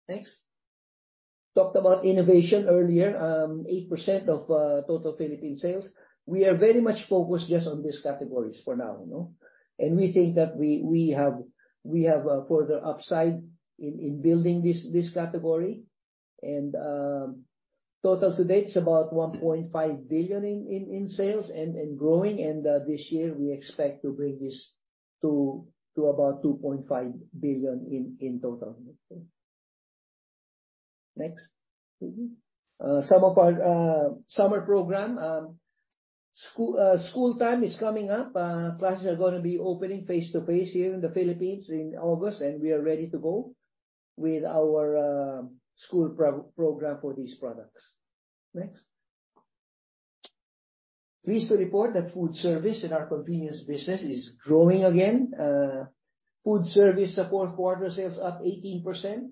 Next. Talked about innovation earlier, 8% of total Philippine sales. We are very much focused just on these categories for now, you know? We think that we have further upside in building this category. Total to date is about $1.5 billion in sales and growing, and this year, we expect to bring this to about $2.5 billion in total. Next. Some of our summer program, school time is coming up. Classes are gonna be opening face-to-face here in the Philippines in August, and we are ready to go with our school program for these products. Next. Pleased to report that food service in our convenience business is growing again. Food service fourth quarter sales up 18%.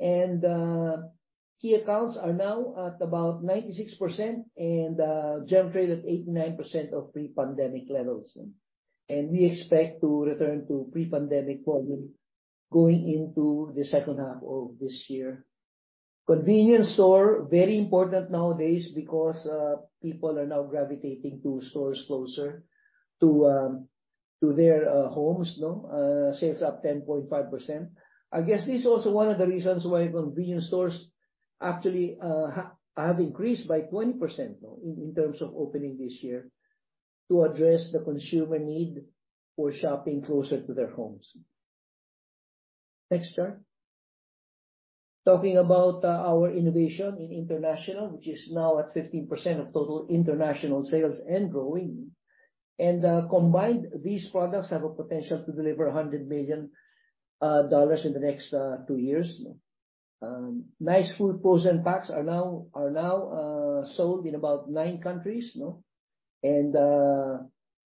Key accounts are now at about 96% and generate at 89% of pre-pandemic levels. We expect to return to pre-pandemic volume going into the second half of this year. Convenience store, very important nowadays because people are now gravitating to stores closer to their homes, no. Sales up 10.5%. I guess this is also one of the reasons why convenience stores actually have increased by 20%, no, in terms of opening this year, to address the consumer need for shopping closer to their homes. Next chart. Talking about our innovation in international, which is now at 15% of total international sales and growing. Combined, these products have a potential to deliver $100 billion in the next two years. Nice Fruit frozen packs are now sold in about nine countries, no?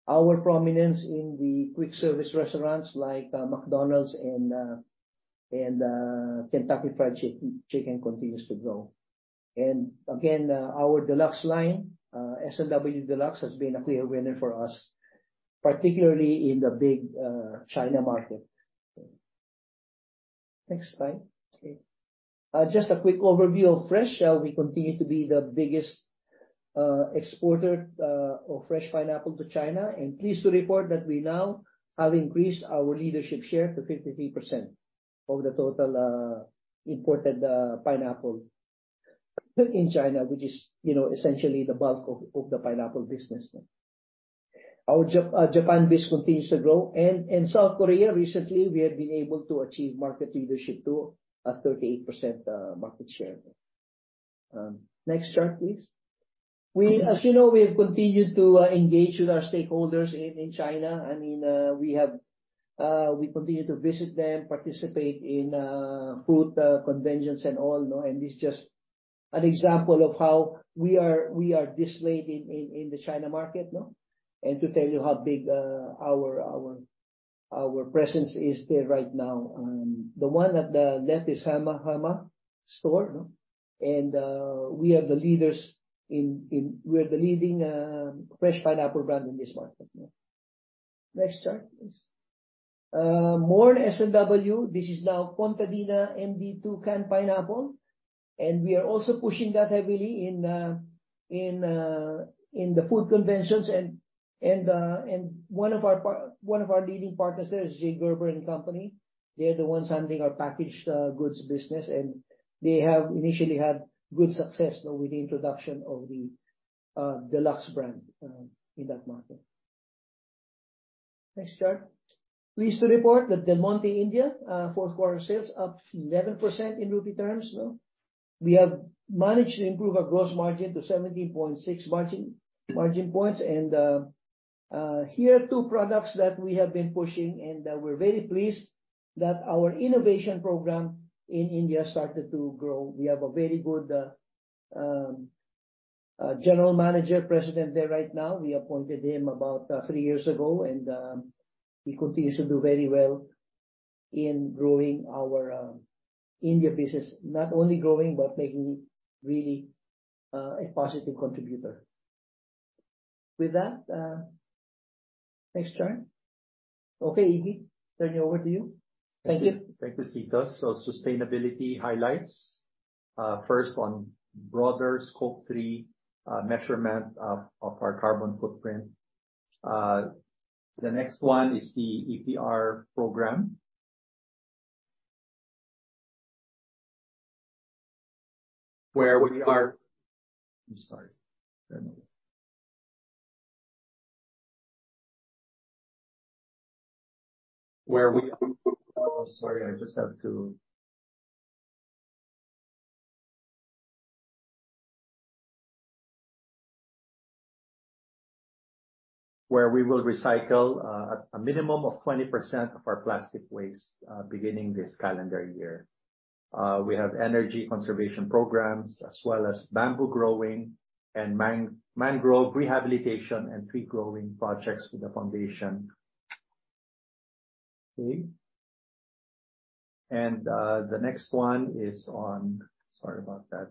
Our prominence in the quick service restaurants like McDonald's and Jollibee and Kentucky Fried Chicken continues to grow. Again, our Deluxe line, S&W Deluxe, has been a clear winner for us, particularly in the big China market. Next slide, please. Just a quick overview of fresh. We continue to be the biggest exporter of fresh pineapple to China, and pleased to report that we now have increased our leadership share to 53% of the total imported pineapple in China, which is, you know, essentially the bulk of the pineapple business. Our Jap Japan biz continues to grow, and in South Korea recently, we have been able to achieve market leadership too, at 38% market share. Next chart, please. We, as you know, we have continued to engage with our stakeholders in China. I mean, we continue to visit them, participate in fruit conventions and all, no? This just an example of how we are displayed in the China market, no? To tell you how big our presence is there right now. The one at the left is Hema store, no? We are the leading fresh pineapple brand in this market, no? Next chart, please. More S&W. This is now Contadina MD2 canned pineapple, and we are also pushing that heavily in the food conventions. One of our leading partners there is J. Gerber & Company. They're the ones handling our packaged goods business, and they have initially had good success, no, with the introduction of the Deluxe brand in that market. Next chart. Pleased to report that Del Monte India, fourth quarter sales up 11% in rupee terms, no. We have managed to improve our gross margin to 17.6 margin points. Here are two products that we have been pushing, and we're very pleased that our innovation program in India started to grow. We have a very good general manager president there right now. We appointed him about three years ago, and he continues to do very well in growing our India business. Not only growing, but making it really a positive contributor. With that, next chart. Okay, Iggy, turning over to you. Thank you. Thank you, Iggy. Sustainability highlights. First on broader Scope 3, measurement of our carbon footprint. The next one is the EPR program. Where we will recycle a minimum of 20% of our plastic waste beginning this calendar year. We have energy conservation programs, as well as bamboo growing and mangrove rehabilitation and tree growing projects with the foundation. Okay. The next one is on. Sorry about that.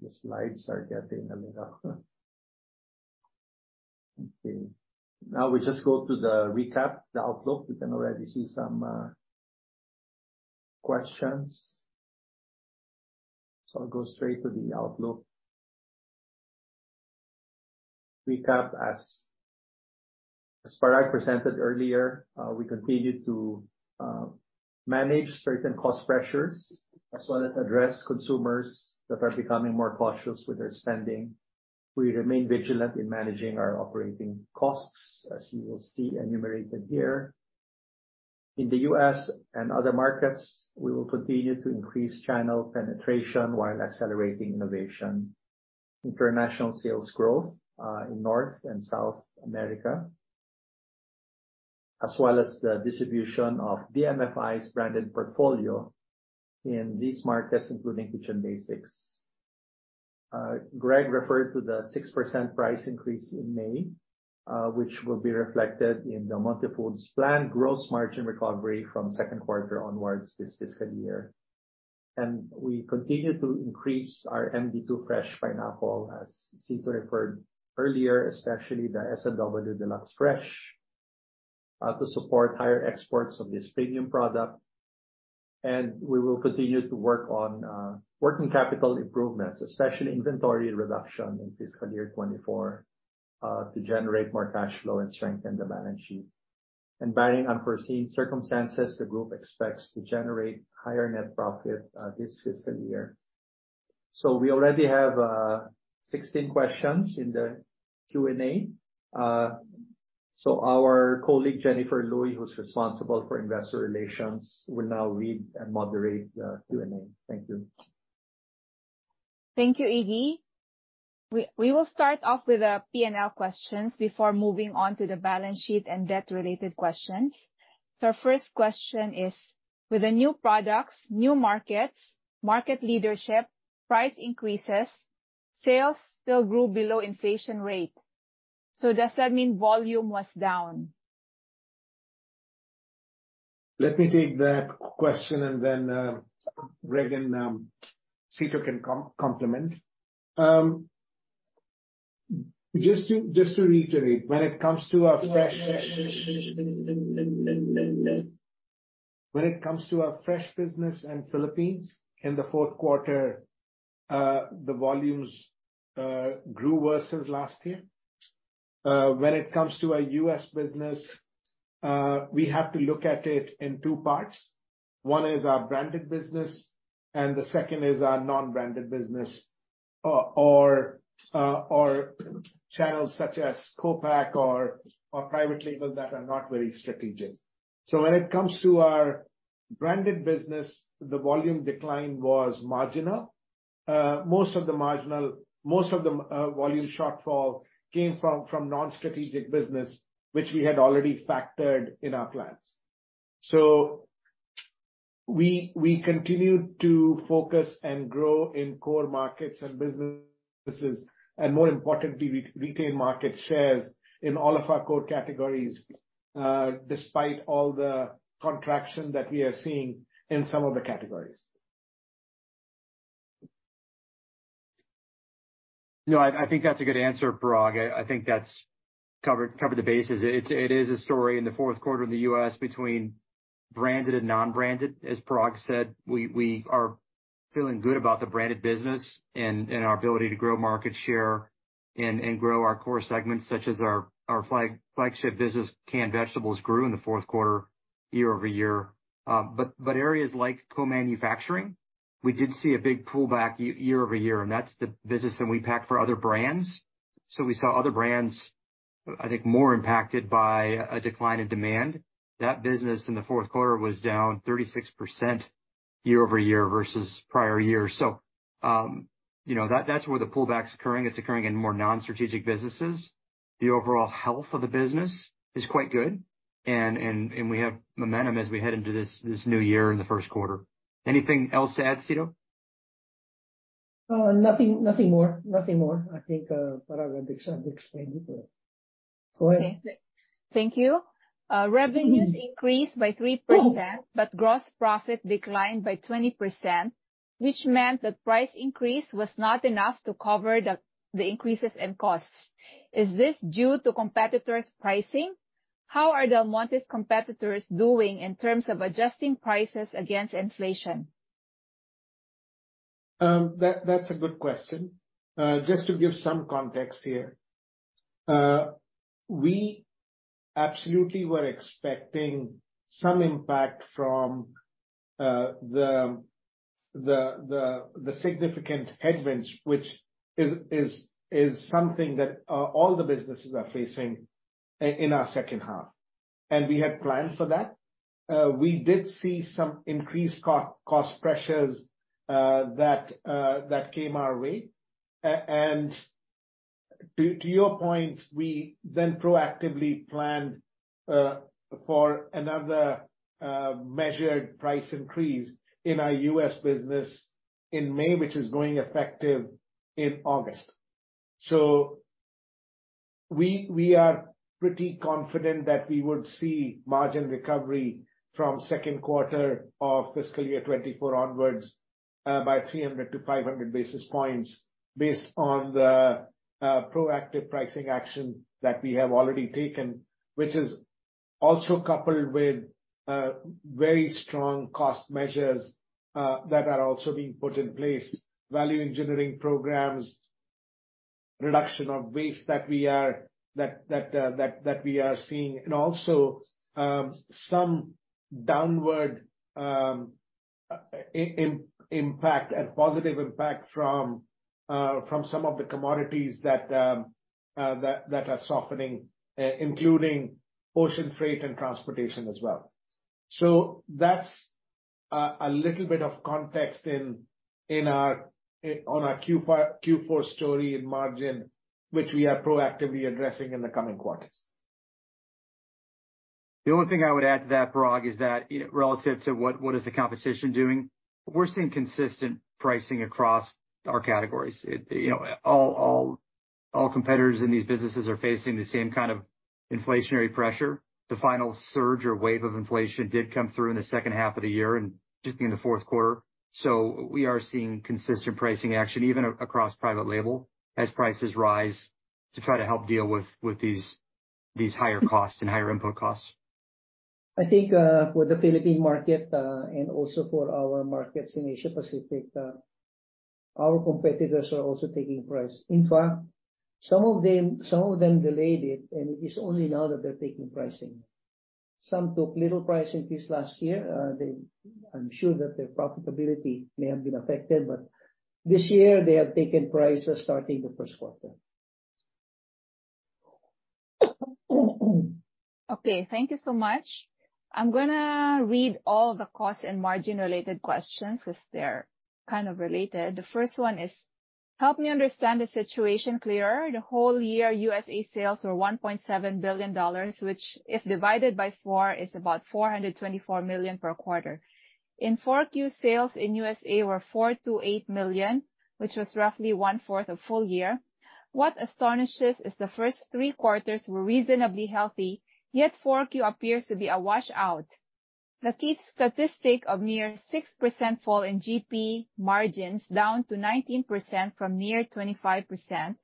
The slides are getting a little, okay. Now, we just go to the recap, the outlook. We can already see some questions. I'll go straight to the outlook. Recap, as far I presented earlier, we continued to manage certain cost pressures, as well as address consumers that are becoming more cautious with their spending. We remain vigilant in managing our operating costs, as you will see enumerated here. In the U.S. and other markets, we will continue to increase channel penetration while accelerating innovation, international sales growth in North and South America, as well as the distribution of DMFI's branded portfolio in these markets, including Kitchen Basics. Greg referred to the 6% price increase in May, which will be reflected in Del Monte Foods' planned gross margin recovery from second quarter onwards this fiscal year. We continue to increase our MD2 fresh pineapple, as Cito referred earlier, especially the S&W Deluxe Fresh, to support higher exports of this premium product. We will continue to work on, working capital improvements, especially inventory reduction in fiscal year 2024, to generate more cash flow and strengthen the balance sheet. Barring unforeseen circumstances, the group expects to generate higher net profit, this fiscal year. We already have, 16 questions in the Q&A. Our colleague, Jennifer Luy, who's responsible for investor relations, will now read and moderate the Q&A. Thank you. Thank you, Iggy. We will start off with the P&L questions before moving on to the balance sheet and debt-related questions. Our first question is. With the new products, new markets, market leadership, price increases, sales still grew below inflation rate. Does that mean volume was down? Let me take that question, and then Regan, Cito can complement. Just to reiterate, when it comes to our fresh business in Philippines, in the fourth quarter, the volumes grew worse since last year. When it comes to our U.S. business, we have to look at it in two parts. One is our branded business, and the second is our non-branded business, or channels such as co-pack or private label that are not very strategic. When it comes to our branded business, the volume decline was marginal. Most of the volume shortfall came from non-strategic business, which we had already factored in our plans. We continue to focus and grow in core markets and businesses, and more importantly, re-retain market shares in all of our core categories, despite all the contraction that we are seeing in some of the categories. No, I think that's a good answer, Parag. I think that's covered the bases. It is a story in the fourth quarter in the U.S. between branded and non-branded. As Parag said, we are feeling good about the branded business and our ability to grow market share and grow our core segments, such as our flagship business, canned vegetables, grew in the fourth quarter year-over-year. Areas like co-manufacturing, we did see a big pullback year-over-year, and that's the business that we pack for other brands. We saw other brands, I think, more impacted by a decline in demand. That business in the fourth quarter was down 36% year-over-year versus prior year. You know, that's where the pullback's occurring. It's occurring in more non-strategic businesses. The overall health of the business is quite good, and we have momentum as we head into this new year in the first quarter. Anything else to add, Cito? Nothing more. Nothing more. I think Parag had explained it well. Go ahead. Thank you. Revenues increased by 3%, but gross profit declined by 20%, which meant the price increase was not enough to cover the increases in costs. Is this due to competitors' pricing? How are Del Monte's competitors doing in terms of adjusting prices against inflation? That's a good question. Just to give some context here. We absolutely were expecting some impact from the significant headwinds, which is something that all the businesses are facing in our second half, and we had planned for that. To your point, we then proactively planned for another measured price increase in our U.S. business in May, which is going effective in August. We are pretty confident that we would see margin recovery from second quarter of fiscal year 2024 onwards, by 300 basis points-500 basis points, based on the proactive pricing action that we have already taken. Is also coupled with very strong cost measures that are also being put in place, value engineering programs, reduction of waste that we are seeing. Also, some downward impact and positive impact from some of the commodities that are softening, including ocean freight and transportation as well. That's a little bit of context on our Q4 story in margin, which we are proactively addressing in the coming quarters. The only thing I would add to that, Parag, is that, you know, relative to what is the competition doing, we're seeing consistent pricing across our categories. You know, all competitors in these businesses are facing the same kind of inflationary pressure. The final surge or wave of inflation did come through in the second half of the year and just in the fourth quarter. We are seeing consistent pricing action, even across private label, as prices rise, to try to help deal with these higher costs and higher input costs. I think, for the Philippine market, also for our markets in Asia Pacific, our competitors are also taking price. In fact, some of them delayed it. It is only now that they're taking pricing. Some took little price increase last year. I'm sure that their profitability may have been affected. This year they have taken prices starting the first quarter. Thank you so much. I'm gonna read all the cost and margin-related questions, as they're kind of related. The first one. Help me understand the situation clearer. The whole year, USA sales were $1.7 billion, which, if divided by four, is about $424 million per quarter. In 4Q, sales in USA were $4 million-$8 million, which was roughly one-fourth of full year. What astonishes is the first three quarters were reasonably healthy, yet 4Q appears to be a washout. The key statistic of near 6% fall in GP margins, down to 19% from near 25%.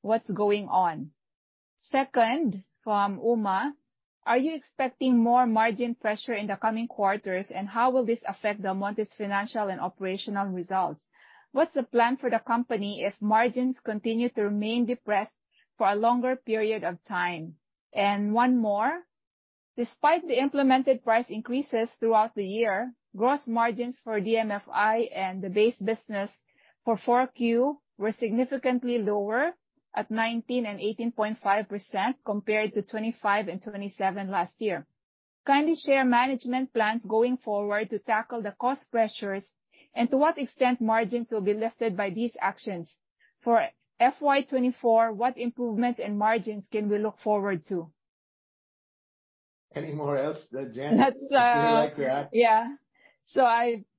What's going on? Second, from Uma: Are you expecting more margin pressure in the coming quarters, and how will this affect Del Monte's financial and operational results? What's the plan for the company if margins continue to remain depressed for a longer period of time? One more. Despite the implemented price increases throughout the year, gross margins for DMFI and the base business for 4Q were significantly lower at 19% and 18.5%, compared to 25% and 27% last year. Kindly share management plans going forward to tackle the cost pressures, and to what extent margins will be lifted by these actions. For FY 2024, what improvements in margins can we look forward to? Any more else that, Jan? If you like to add. Yeah.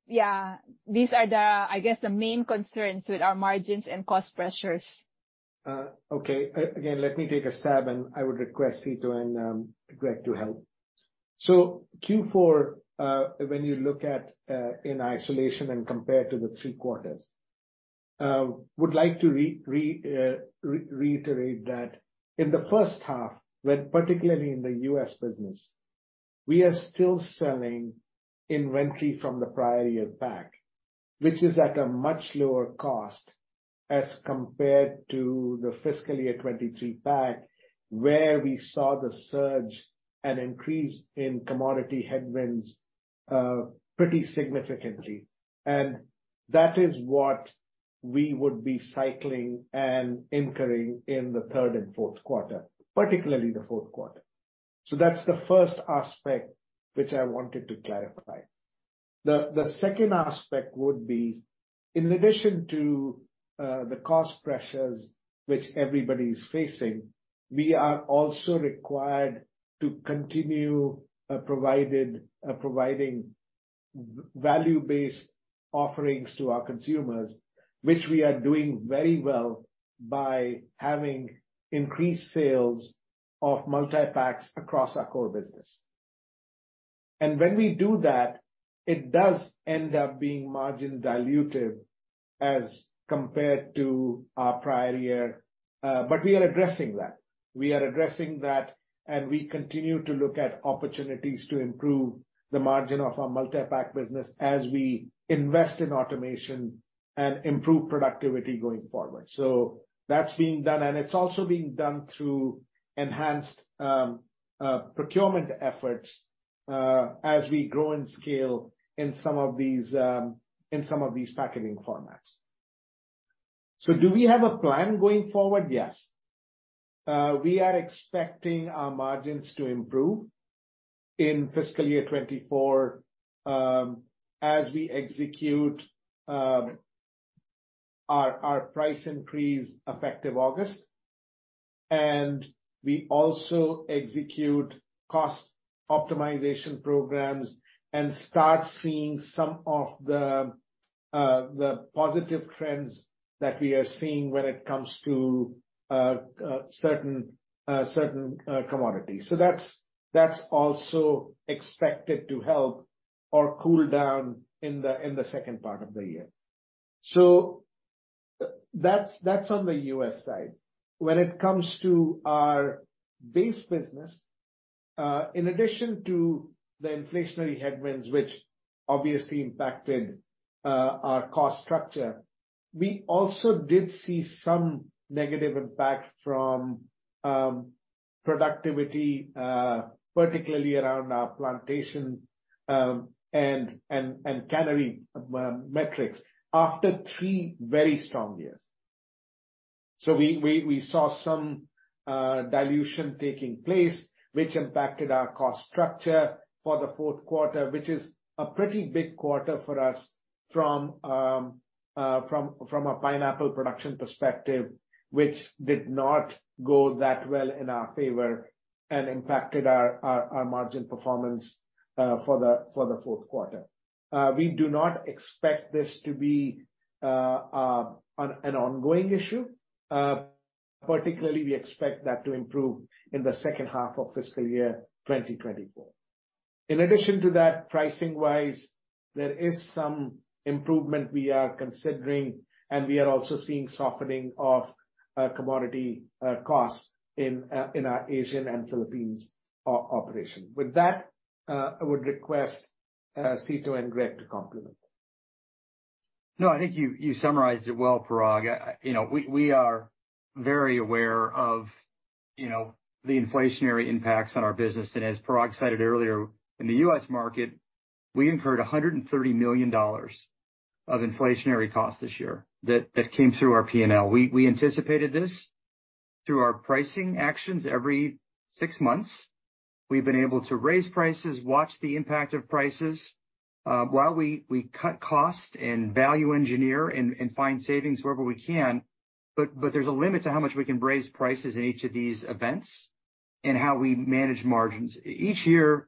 Yeah, these are the, I guess, the main concerns with our margins and cost pressures. Okay. Again, let me take a stab, and I would request Cito and Greg to help. Q4, when you look at in isolation and compare to the three quarters, would like to reiterate that in the first half, when particularly in the U.S. business, we are still selling inventory from the prior year back, which is at a much lower cost as compared to the fiscal year 23 back, where we saw the surge and increase in commodity headwinds pretty significantly. That is what we would be cycling and incurring in the 3rd and 4th quarter, particularly the 4th quarter. That's the first aspect which I wanted to clarify. The second aspect would be, in addition to the cost pressures which everybody's facing, we are also required to continue providing value-based offerings to our consumers, which we are doing very well by having increased sales of multi-packs across our core business. When we do that, it does end up being margin dilutive as compared to our prior year, but we are addressing that, and we continue to look at opportunities to improve the margin of our multi-pack business as we invest in automation and improve productivity going forward. That's being done, and it's also being done through enhanced procurement efforts as we grow in scale in some of these packaging formats. Do we have a plan going forward? Yes. We are expecting our margins to improve in fiscal year 2024, as we execute our price increase effective August, and we also execute cost optimization programs and start seeing some of the positive trends that we are seeing when it comes to certain commodities. That's also expected to help or cool down in the second part of the year. That's on the US side. When it comes to our base business, in addition to the inflationary headwinds, which obviously impacted our cost structure, we also did see some negative impact from productivity, particularly around our plantation and cannery metrics after three very strong years. We saw some dilution taking place, which impacted our cost structure for the fourth quarter, which is a pretty big quarter for us from a pineapple production perspective, which did not go that well in our favor and impacted our margin performance for the fourth quarter. We do not expect this to be an ongoing issue. Particularly, we expect that to improve in the second half of fiscal year 2024. In addition to that, pricing-wise, there is some improvement we are considering, and we are also seeing softening of commodity costs in our Asian and Philippines operation. With that, I would request Cito and Greg Longstreet to complement. No, I think you summarized it well, Parag. You know, we are very aware of, you know, the inflationary impacts on our business. As Parag cited earlier, in the U.S. market, we incurred $130 million of inflationary costs this year that came through our P&L. We anticipated this. Through our pricing actions every six months, we've been able to raise prices, watch the impact of prices, while we cut costs and value engineer and find savings wherever we can. There's a limit to how much we can raise prices in each of these events and how we manage margins. Each year,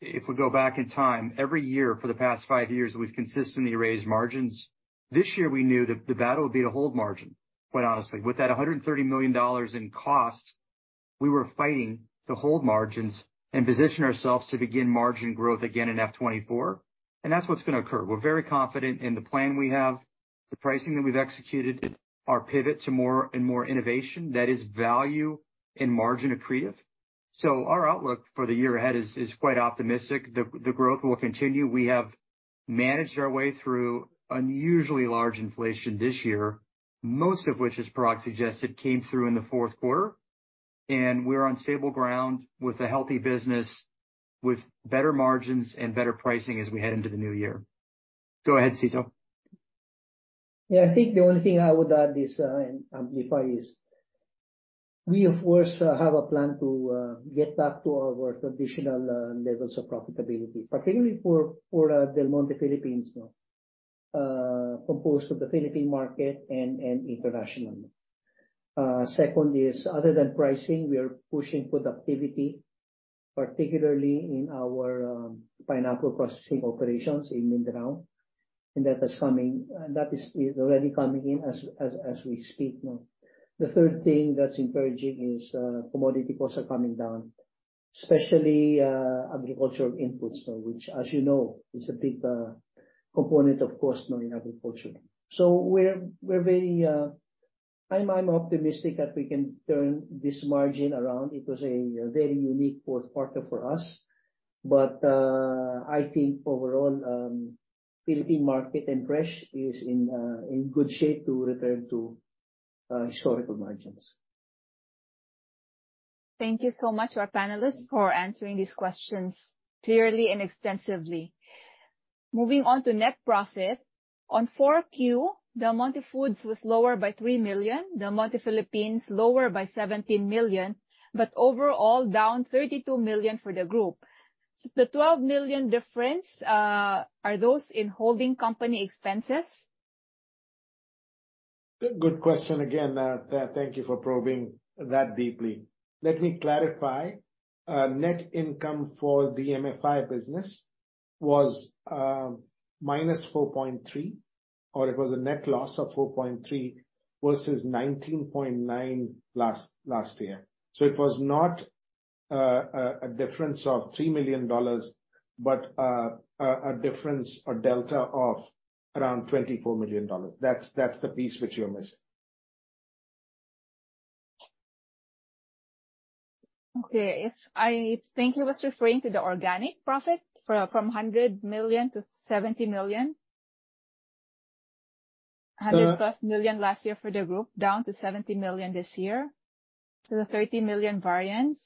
if we go back in time, every year for the past 5 years, we've consistently raised margins. This year we knew that the battle would be to hold margin, quite honestly. With that $130 million in costs, we were fighting to hold margins and position ourselves to begin margin growth again in Fiscal 24. That's what's gonna occur. We're very confident in the plan we have, the pricing that we've executed, our pivot to more and more innovation, that is value and margin accretive. Our outlook for the year ahead is quite optimistic. The growth will continue. We have managed our way through unusually large inflation this year, most of which, as Parag suggested, came through in the fourth quarter. We're on stable ground with a healthy business, with better margins and better pricing as we head into the new year. Go ahead, Cito. I think the only thing I would add is, and amplify is, we of course, have a plan to get back to our traditional levels of profitability, particularly for Del Monte Philippines, no, composed of the Philippine market and internationally. Second is, other than pricing, we are pushing productivity, particularly in our pineapple processing operations in Mindanao, and that is already coming in as we speak, no. The third thing that's encouraging is, commodity costs are coming down, especially agricultural inputs, which, as you know, is a big component of cost in agriculture. We're very optimistic that we can turn this margin around. It was a very unique fourth quarter for us, but I think overall, Philippine market and fresh is in good shape to return to historical margins. Thank you so much to our panelists for answering these questions clearly and extensively. Moving on to net profit, on 4Q, Del Monte Foods was lower by $3 million, Del Monte Philippines, lower by $17 million, but overall, down $32 million for the group. The $12 million difference, are those in holding company expenses? Good question again, thank you for probing that deeply. Let me clarify. Net income for the DMFI business was -$4.3, or it was a net loss of $4.3 versus $19.9 last year. It was not a difference of $3 million, but a difference or delta of around $24 million. That's the piece which you are missing. Okay. If I think he was referring to the organic profit from $100 million to $70 million. Uh- $100+ million last year for the group, down to $70 million this year, so the $30 million variance.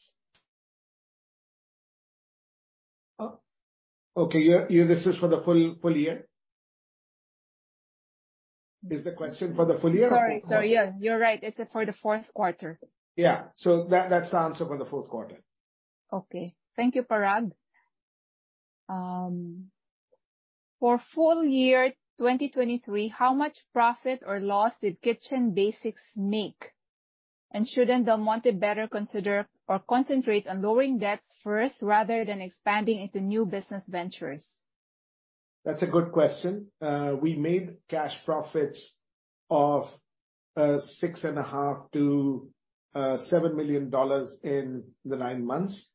Oh, okay, yeah, this is for the full year? Is the question for the full year? Sorry. Yeah, you're right. It's for the fourth quarter. Yeah. That's the answer for the fourth quarter. Okay. Thank you, Parag. For full year 2023, how much profit or loss did Kitchen Basics make? Shouldn't Del Monte better consider or concentrate on lowering debts first rather than expanding into new business ventures? That's a good question. We made cash profits of $6.5 million-$7 million in the nine months,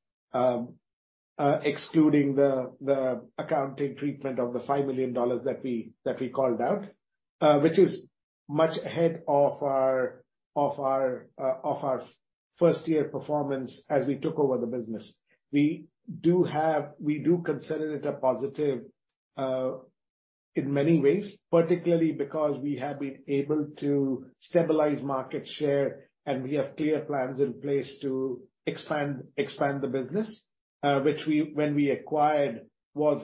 excluding the accounting treatment of the $5 million that we called out, which is much ahead of our first-year performance as we took over the business. We do consider it a positive in many ways, particularly because we have been able to stabilize market share, and we have clear plans in place to expand the business, which we, when we acquired, was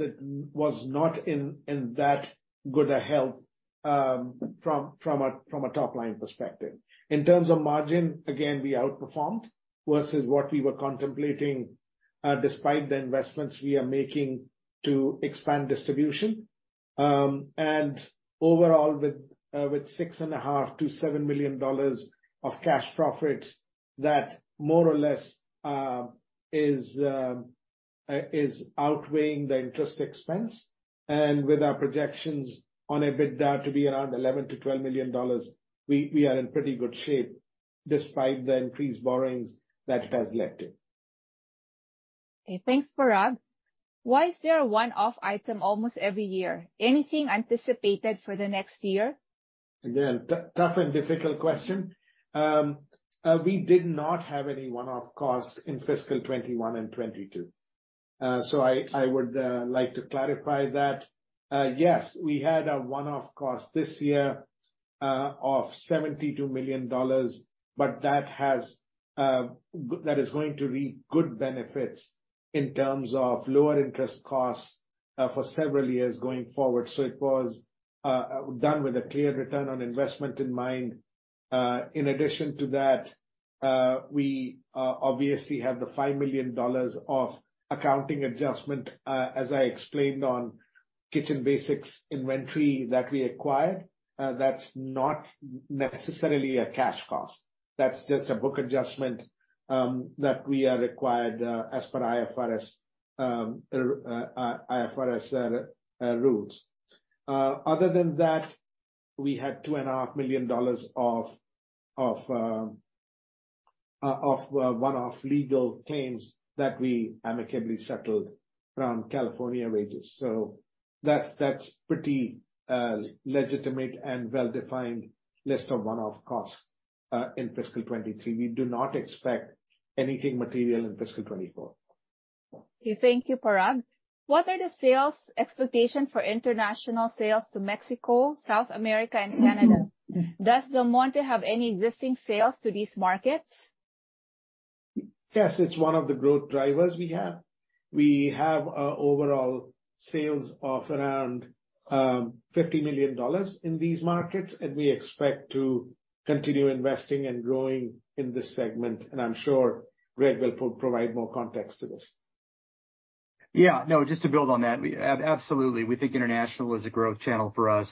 not in that good a health, from a top-line perspective. In terms of margin, again, we outperformed versus what we were contemplating, despite the investments we are making to expand distribution. Overall, with $6.5 million-$7 million of cash profits, that more or less, is outweighing the interest expense. With our projections on EBITDA to be around $11 million-$12 million, we are in pretty good shape, despite the increased borrowings that it has led to. Okay, thanks, Parag. Why is there a one-off item almost every year? Anything anticipated for the next year? Again, tough and difficult question. We did not have any one-off costs in fiscal 2021 and 2022. I would like to clarify that yes, we had a one-off cost this year of $72 million, but that is going to reap good benefits in terms of lower interest costs for several years going forward. It was done with a clear return on investment in mind. In addition to that, we obviously have the $5 million of accounting adjustment, as I explained, on Kitchen Basics inventory that we acquired. That's not necessarily a cash cost. That's just a book adjustment that we are required as per IFRS rules. Other than that, we had $2.5 million of one-off legal claims that we amicably settled around California wages. That's pretty legitimate and well-defined list of one-off costs in fiscal 2023. We do not expect anything material in fiscal 2024. Okay, thank you, Parag. What are the sales expectation for international sales to Mexico, South America, and Canada? Does Del Monte have any existing sales to these markets? Yes, it's one of the growth drivers we have. We have overall sales of around $50 million in these markets. We expect to continue investing and growing in this segment. I'm sure Greg will provide more context to this. Yeah. No, just to build on that, absolutely, we think international is a growth channel for us.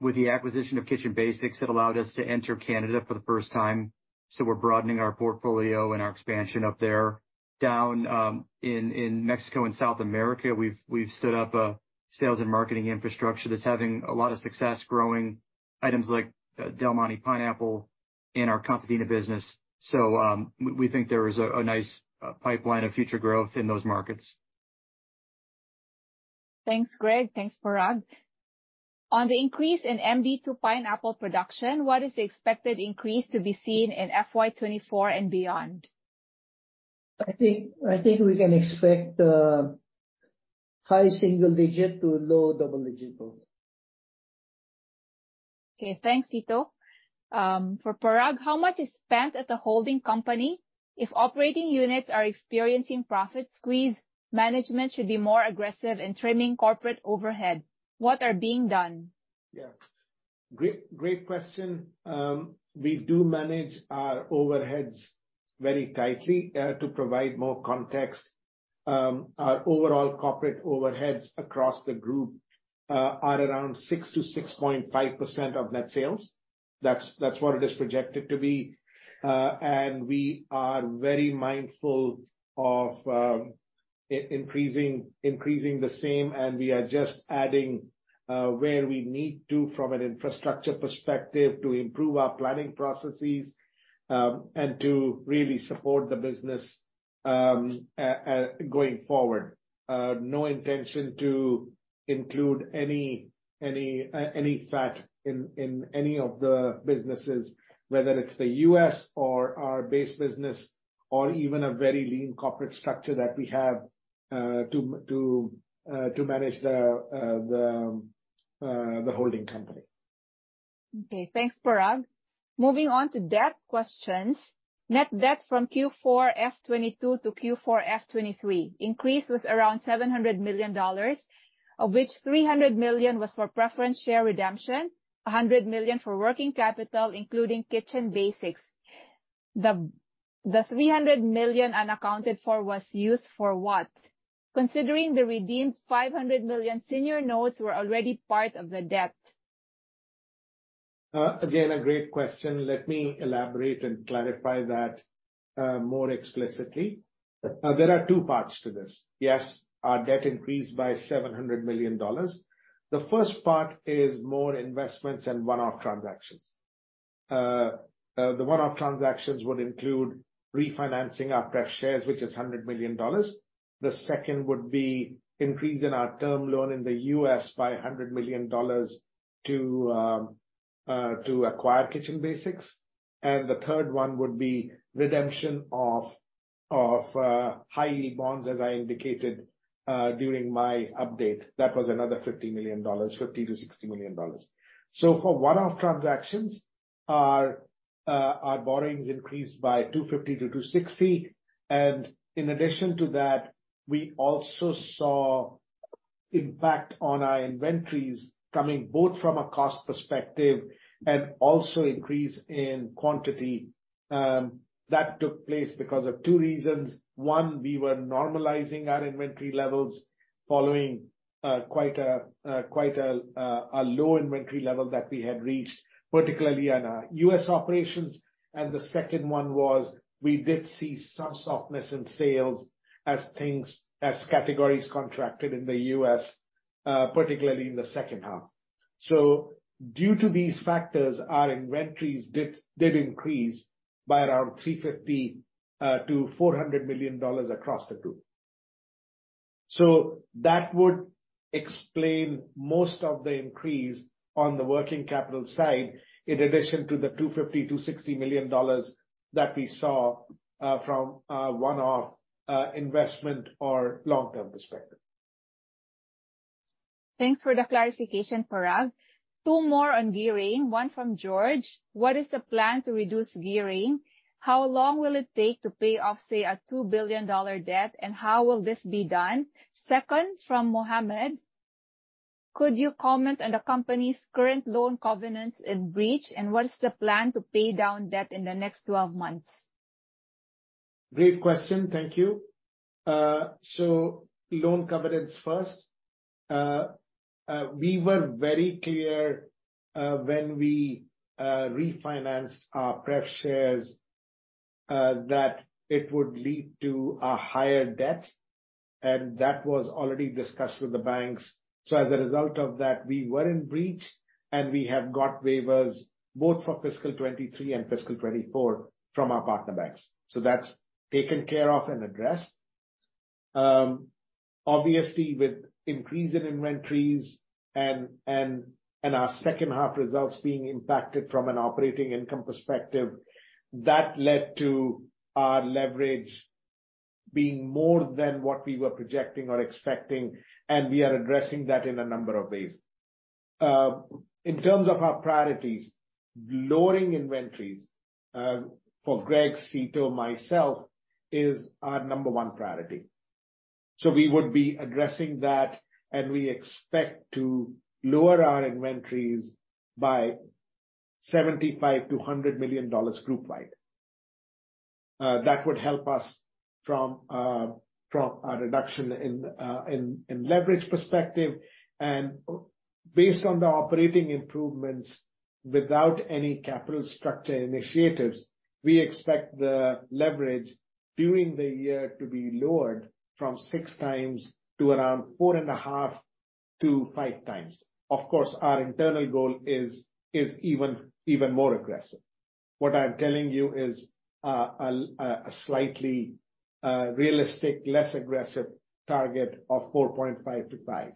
With the acquisition of Kitchen Basics, it allowed us to enter Canada for the first time, so we're broadening our portfolio and our expansion up there. Down in Mexico and South America, we've stood up a sales and marketing infrastructure that's having a lot of success growing items like Del Monte Pineapple in our Valentina business. We think there is a nice pipeline of future growth in those markets. Thanks, Greg. Thanks, Parag. On the increase in MD2 pineapple production, what is the expected increase to be seen in FY 2024 and beyond? I think we can expect high single digit to low double digit growth. Okay, thanks, Cito. For Parag, how much is spent at the holding company? If operating units are experiencing profit squeeze, management should be more aggressive in trimming corporate overhead. What are being done? Great question. We do manage our overheads very tightly to provide more context. Our overall corporate overheads across the group are around 6%-6.5% of net sales. That's what it is projected to be. We are very mindful of increasing the same, and we are just adding where we need to from an infrastructure perspective to improve our planning processes and to really support the business going forward. No intention to include any fat in any of the businesses, whether it's the US or our base business or even a very lean corporate structure that we have to manage the holding company. Okay. Thanks, Parag. Moving on to debt questions. Net debt from Q4 F 2022 to Q4 F 2023 increased with around $700 million, of which $300 million was for preference share redemption, $100 million for working capital, including Kitchen Basics. The $300 million unaccounted for was used for what? Considering the redeemed $500 million senior notes were already part of the debt. Again, a great question. Let me elaborate and clarify that more explicitly. There are two parts to this. Yes, our debt increased by $700 million. The first part is more investments and one-off transactions. The one-off transactions would include refinancing our pref shares, which is $100 million. The second would be increase in our Term Loan B in the US by $100 million to acquire Kitchen Basics, and the third one would be redemption of high yield bonds, as I indicated during my update. That was another $50 million, $50 million-$60 million. For one-off transactions, our borrowings increased by $250 million-$260 million, and in addition to that, we also saw impact on our inventories coming both from a cost perspective and also increase in quantity. That took place because of two reasons. One, we were normalizing our inventory levels following quite a low inventory level that we had reached, particularly on our U.S. operations. The second one was we did see some softness in sales as categories contracted in the U.S., particularly in the second half. Due to these factors, our inventories increased by around $350 million-$400 million across the group. That would explain most of the increase on the working capital side, in addition to the $250 million-$60 million that we saw from one-off investment or long-term perspective.... Thanks for the clarification, Parag. Two more on gearing, one from George: What is the plan to reduce gearing? How long will it take to pay off, say, a $2 billion debt, and how will this be done? Second, from Mohammed: Could you comment on the company's current loan covenants in breach, and what is the plan to pay down debt in the next 12 months? Great question. Thank you. Loan covenants first. We were very clear when we refinanced our pref shares that it would lead to a higher debt, and that was already discussed with the banks. As a result of that, we were in breach, and we have got waivers both for fiscal 2023 and fiscal 2024 from our partner banks. That's taken care of and addressed. Obviously, with increase in inventories and our second half results being impacted from an operating income perspective, that led to our leverage being more than what we were projecting or expecting, and we are addressing that in a number of ways. In terms of our priorities, lowering inventories, for Greg, Seto, myself, is our number one priority. We would be addressing that, and we expect to lower our inventories by $75 million-$100 million groupwide. That would help us from a reduction in leverage perspective. Based on the operating improvements, without any capital structure initiatives, we expect the leverage during the year to be lowered from 6x to around 4.5x-5x. Of course, our internal goal is even more aggressive. What I'm telling you is a slightly realistic, less aggressive target of 4.5x-5x.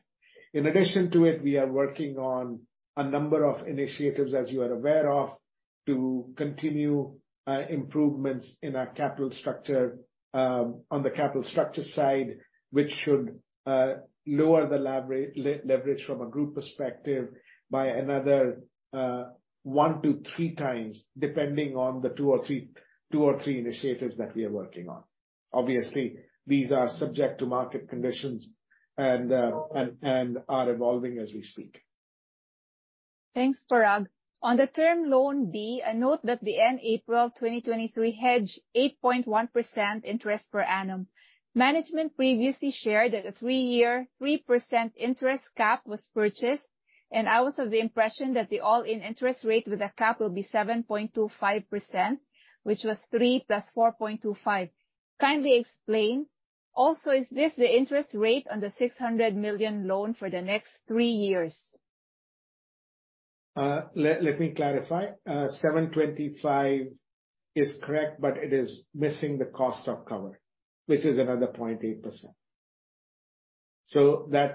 In addition to it, we are working on a number of initiatives, as you are aware of, to continue improvements in our capital structure, on the capital structure side, which should lower the leverage from a group perspective by another 1x-3x, depending on the 2 or 3 initiatives that we are working on. Obviously, these are subject to market conditions and are evolving as we speak. Thanks, Parag. On the Term Loan B, a note that the end April 2023 hedge 8.1% interest per annum. Management previously shared that a three-year, 3% interest cap was purchased, and I was of the impression that the all-in interest rate with a cap will be 7.25%, which was 3 + 4.25. Kindly explain. Is this the interest rate on the $600 million loan for the next three years? Let me clarify. 7.25 is correct. It is missing the cost of cover, which is another 0.8%.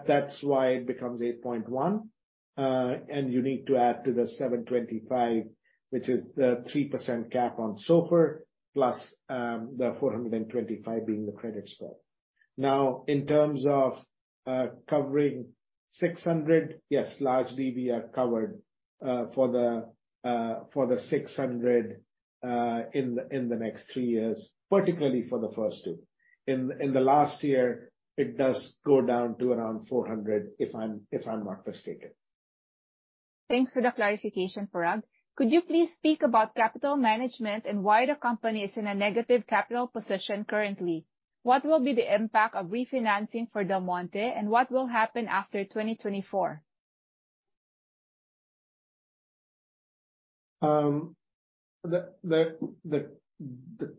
That's why it becomes 8.1. You need to add to the 7.25, which is the 3% cap on SOFR plus the 425 being the credit score. In terms of covering $600, yes, largely we are covered for the $600 in the next three years, particularly for the first two. In the last year, it does go down to around $400, if I'm not mistaken. Thanks for the clarification, Parag. Could you please speak about capital management and why the company is in a negative capital position currently? What will be the impact of refinancing for Del Monte, and what will happen after 2024? The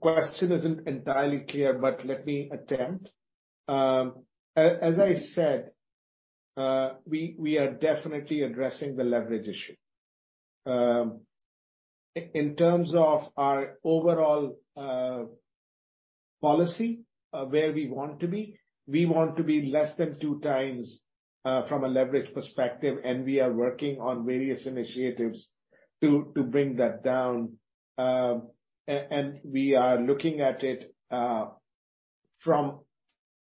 question isn't entirely clear, but let me attempt. As I said, we are definitely addressing the leverage issue. In terms of our overall policy, where we want to be, we want to be less than two times from a leverage perspective, and we are working on various initiatives to bring that down. We are looking at it from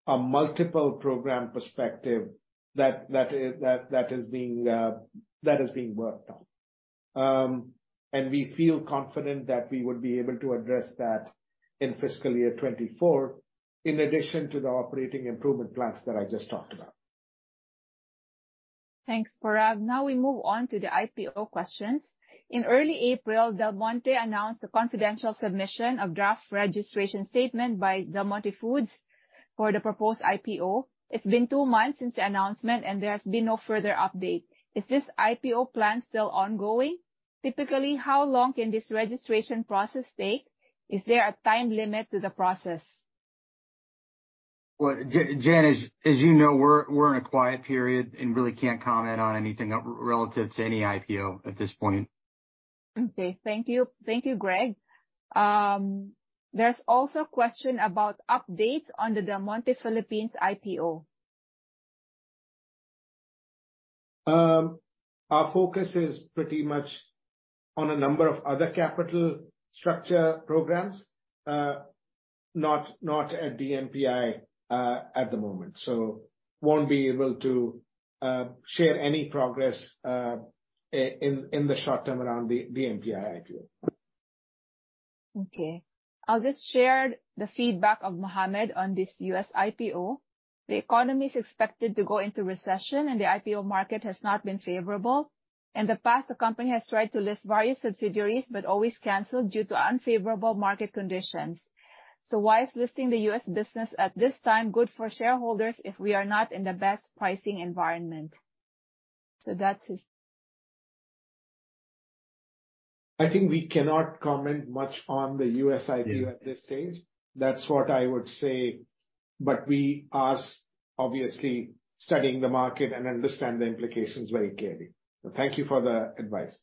a multiple program perspective that is being worked on. We feel confident that we would be able to address that in fiscal year 2024, in addition to the operating improvement plans that I just talked about. Thanks, Parag. We move on to the IPO questions. In early April, Del Monte announced a confidential submission of draft registration statement by Del Monte Foods for the proposed IPO. It's been two months since the announcement, and there has been no further update. Is this IPO plan still ongoing? Typically, how long can this registration process take? Is there a time limit to the process? Well, Jan, as you know, we're in a quiet period and really can't comment on anything relative to any IPO at this point. Okay. Thank you. Thank you, Greg. There's also a question about updates on the Del Monte Philippines IPO. Our focus is pretty much on a number of other capital structure programs, not at DMPI, at the moment. Won't be able to share any progress in the short term around the DMPI IPO. Okay. I'll just share the feedback of Mohammed on this U.S. IPO. The economy is expected to go into recession, and the IPO market has not been favorable. In the past, the company has tried to list various subsidiaries but always canceled due to unfavorable market conditions. Why is listing the U.S. business at this time good for shareholders if we are not in the best pricing environment? That's his- I think we cannot comment much on the US IPO at this stage. That's what I would say, but we are obviously studying the market and understand the implications very clearly. Thank you for the advice.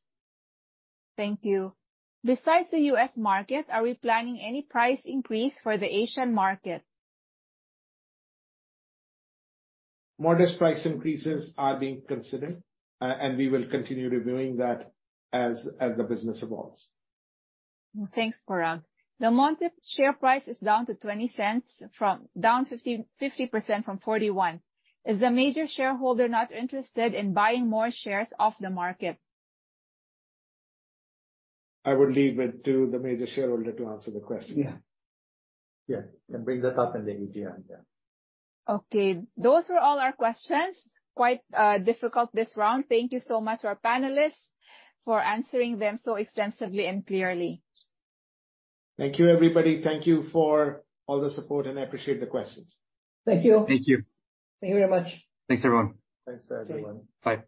Thank you. Besides the U.S. market, are we planning any price increase for the Asian market? Modest price increases are being considered, and we will continue reviewing that as the business evolves. Thanks, Parag. Del Monte share price is down to $0.20, down 50% from $0.41. Is the major shareholder not interested in buying more shares off the market? I would leave it to the major shareholder to answer the question. Yeah. Yeah. Bring that up in the EPA. Yeah. Those were all our questions. Quite difficult this round. Thank you so much to our panelists for answering them so extensively and clearly. Thank you, everybody. Thank you for all the support. I appreciate the questions. Thank you. Thank you. Thank you very much. Thanks, everyone. Thanks, everyone. Bye.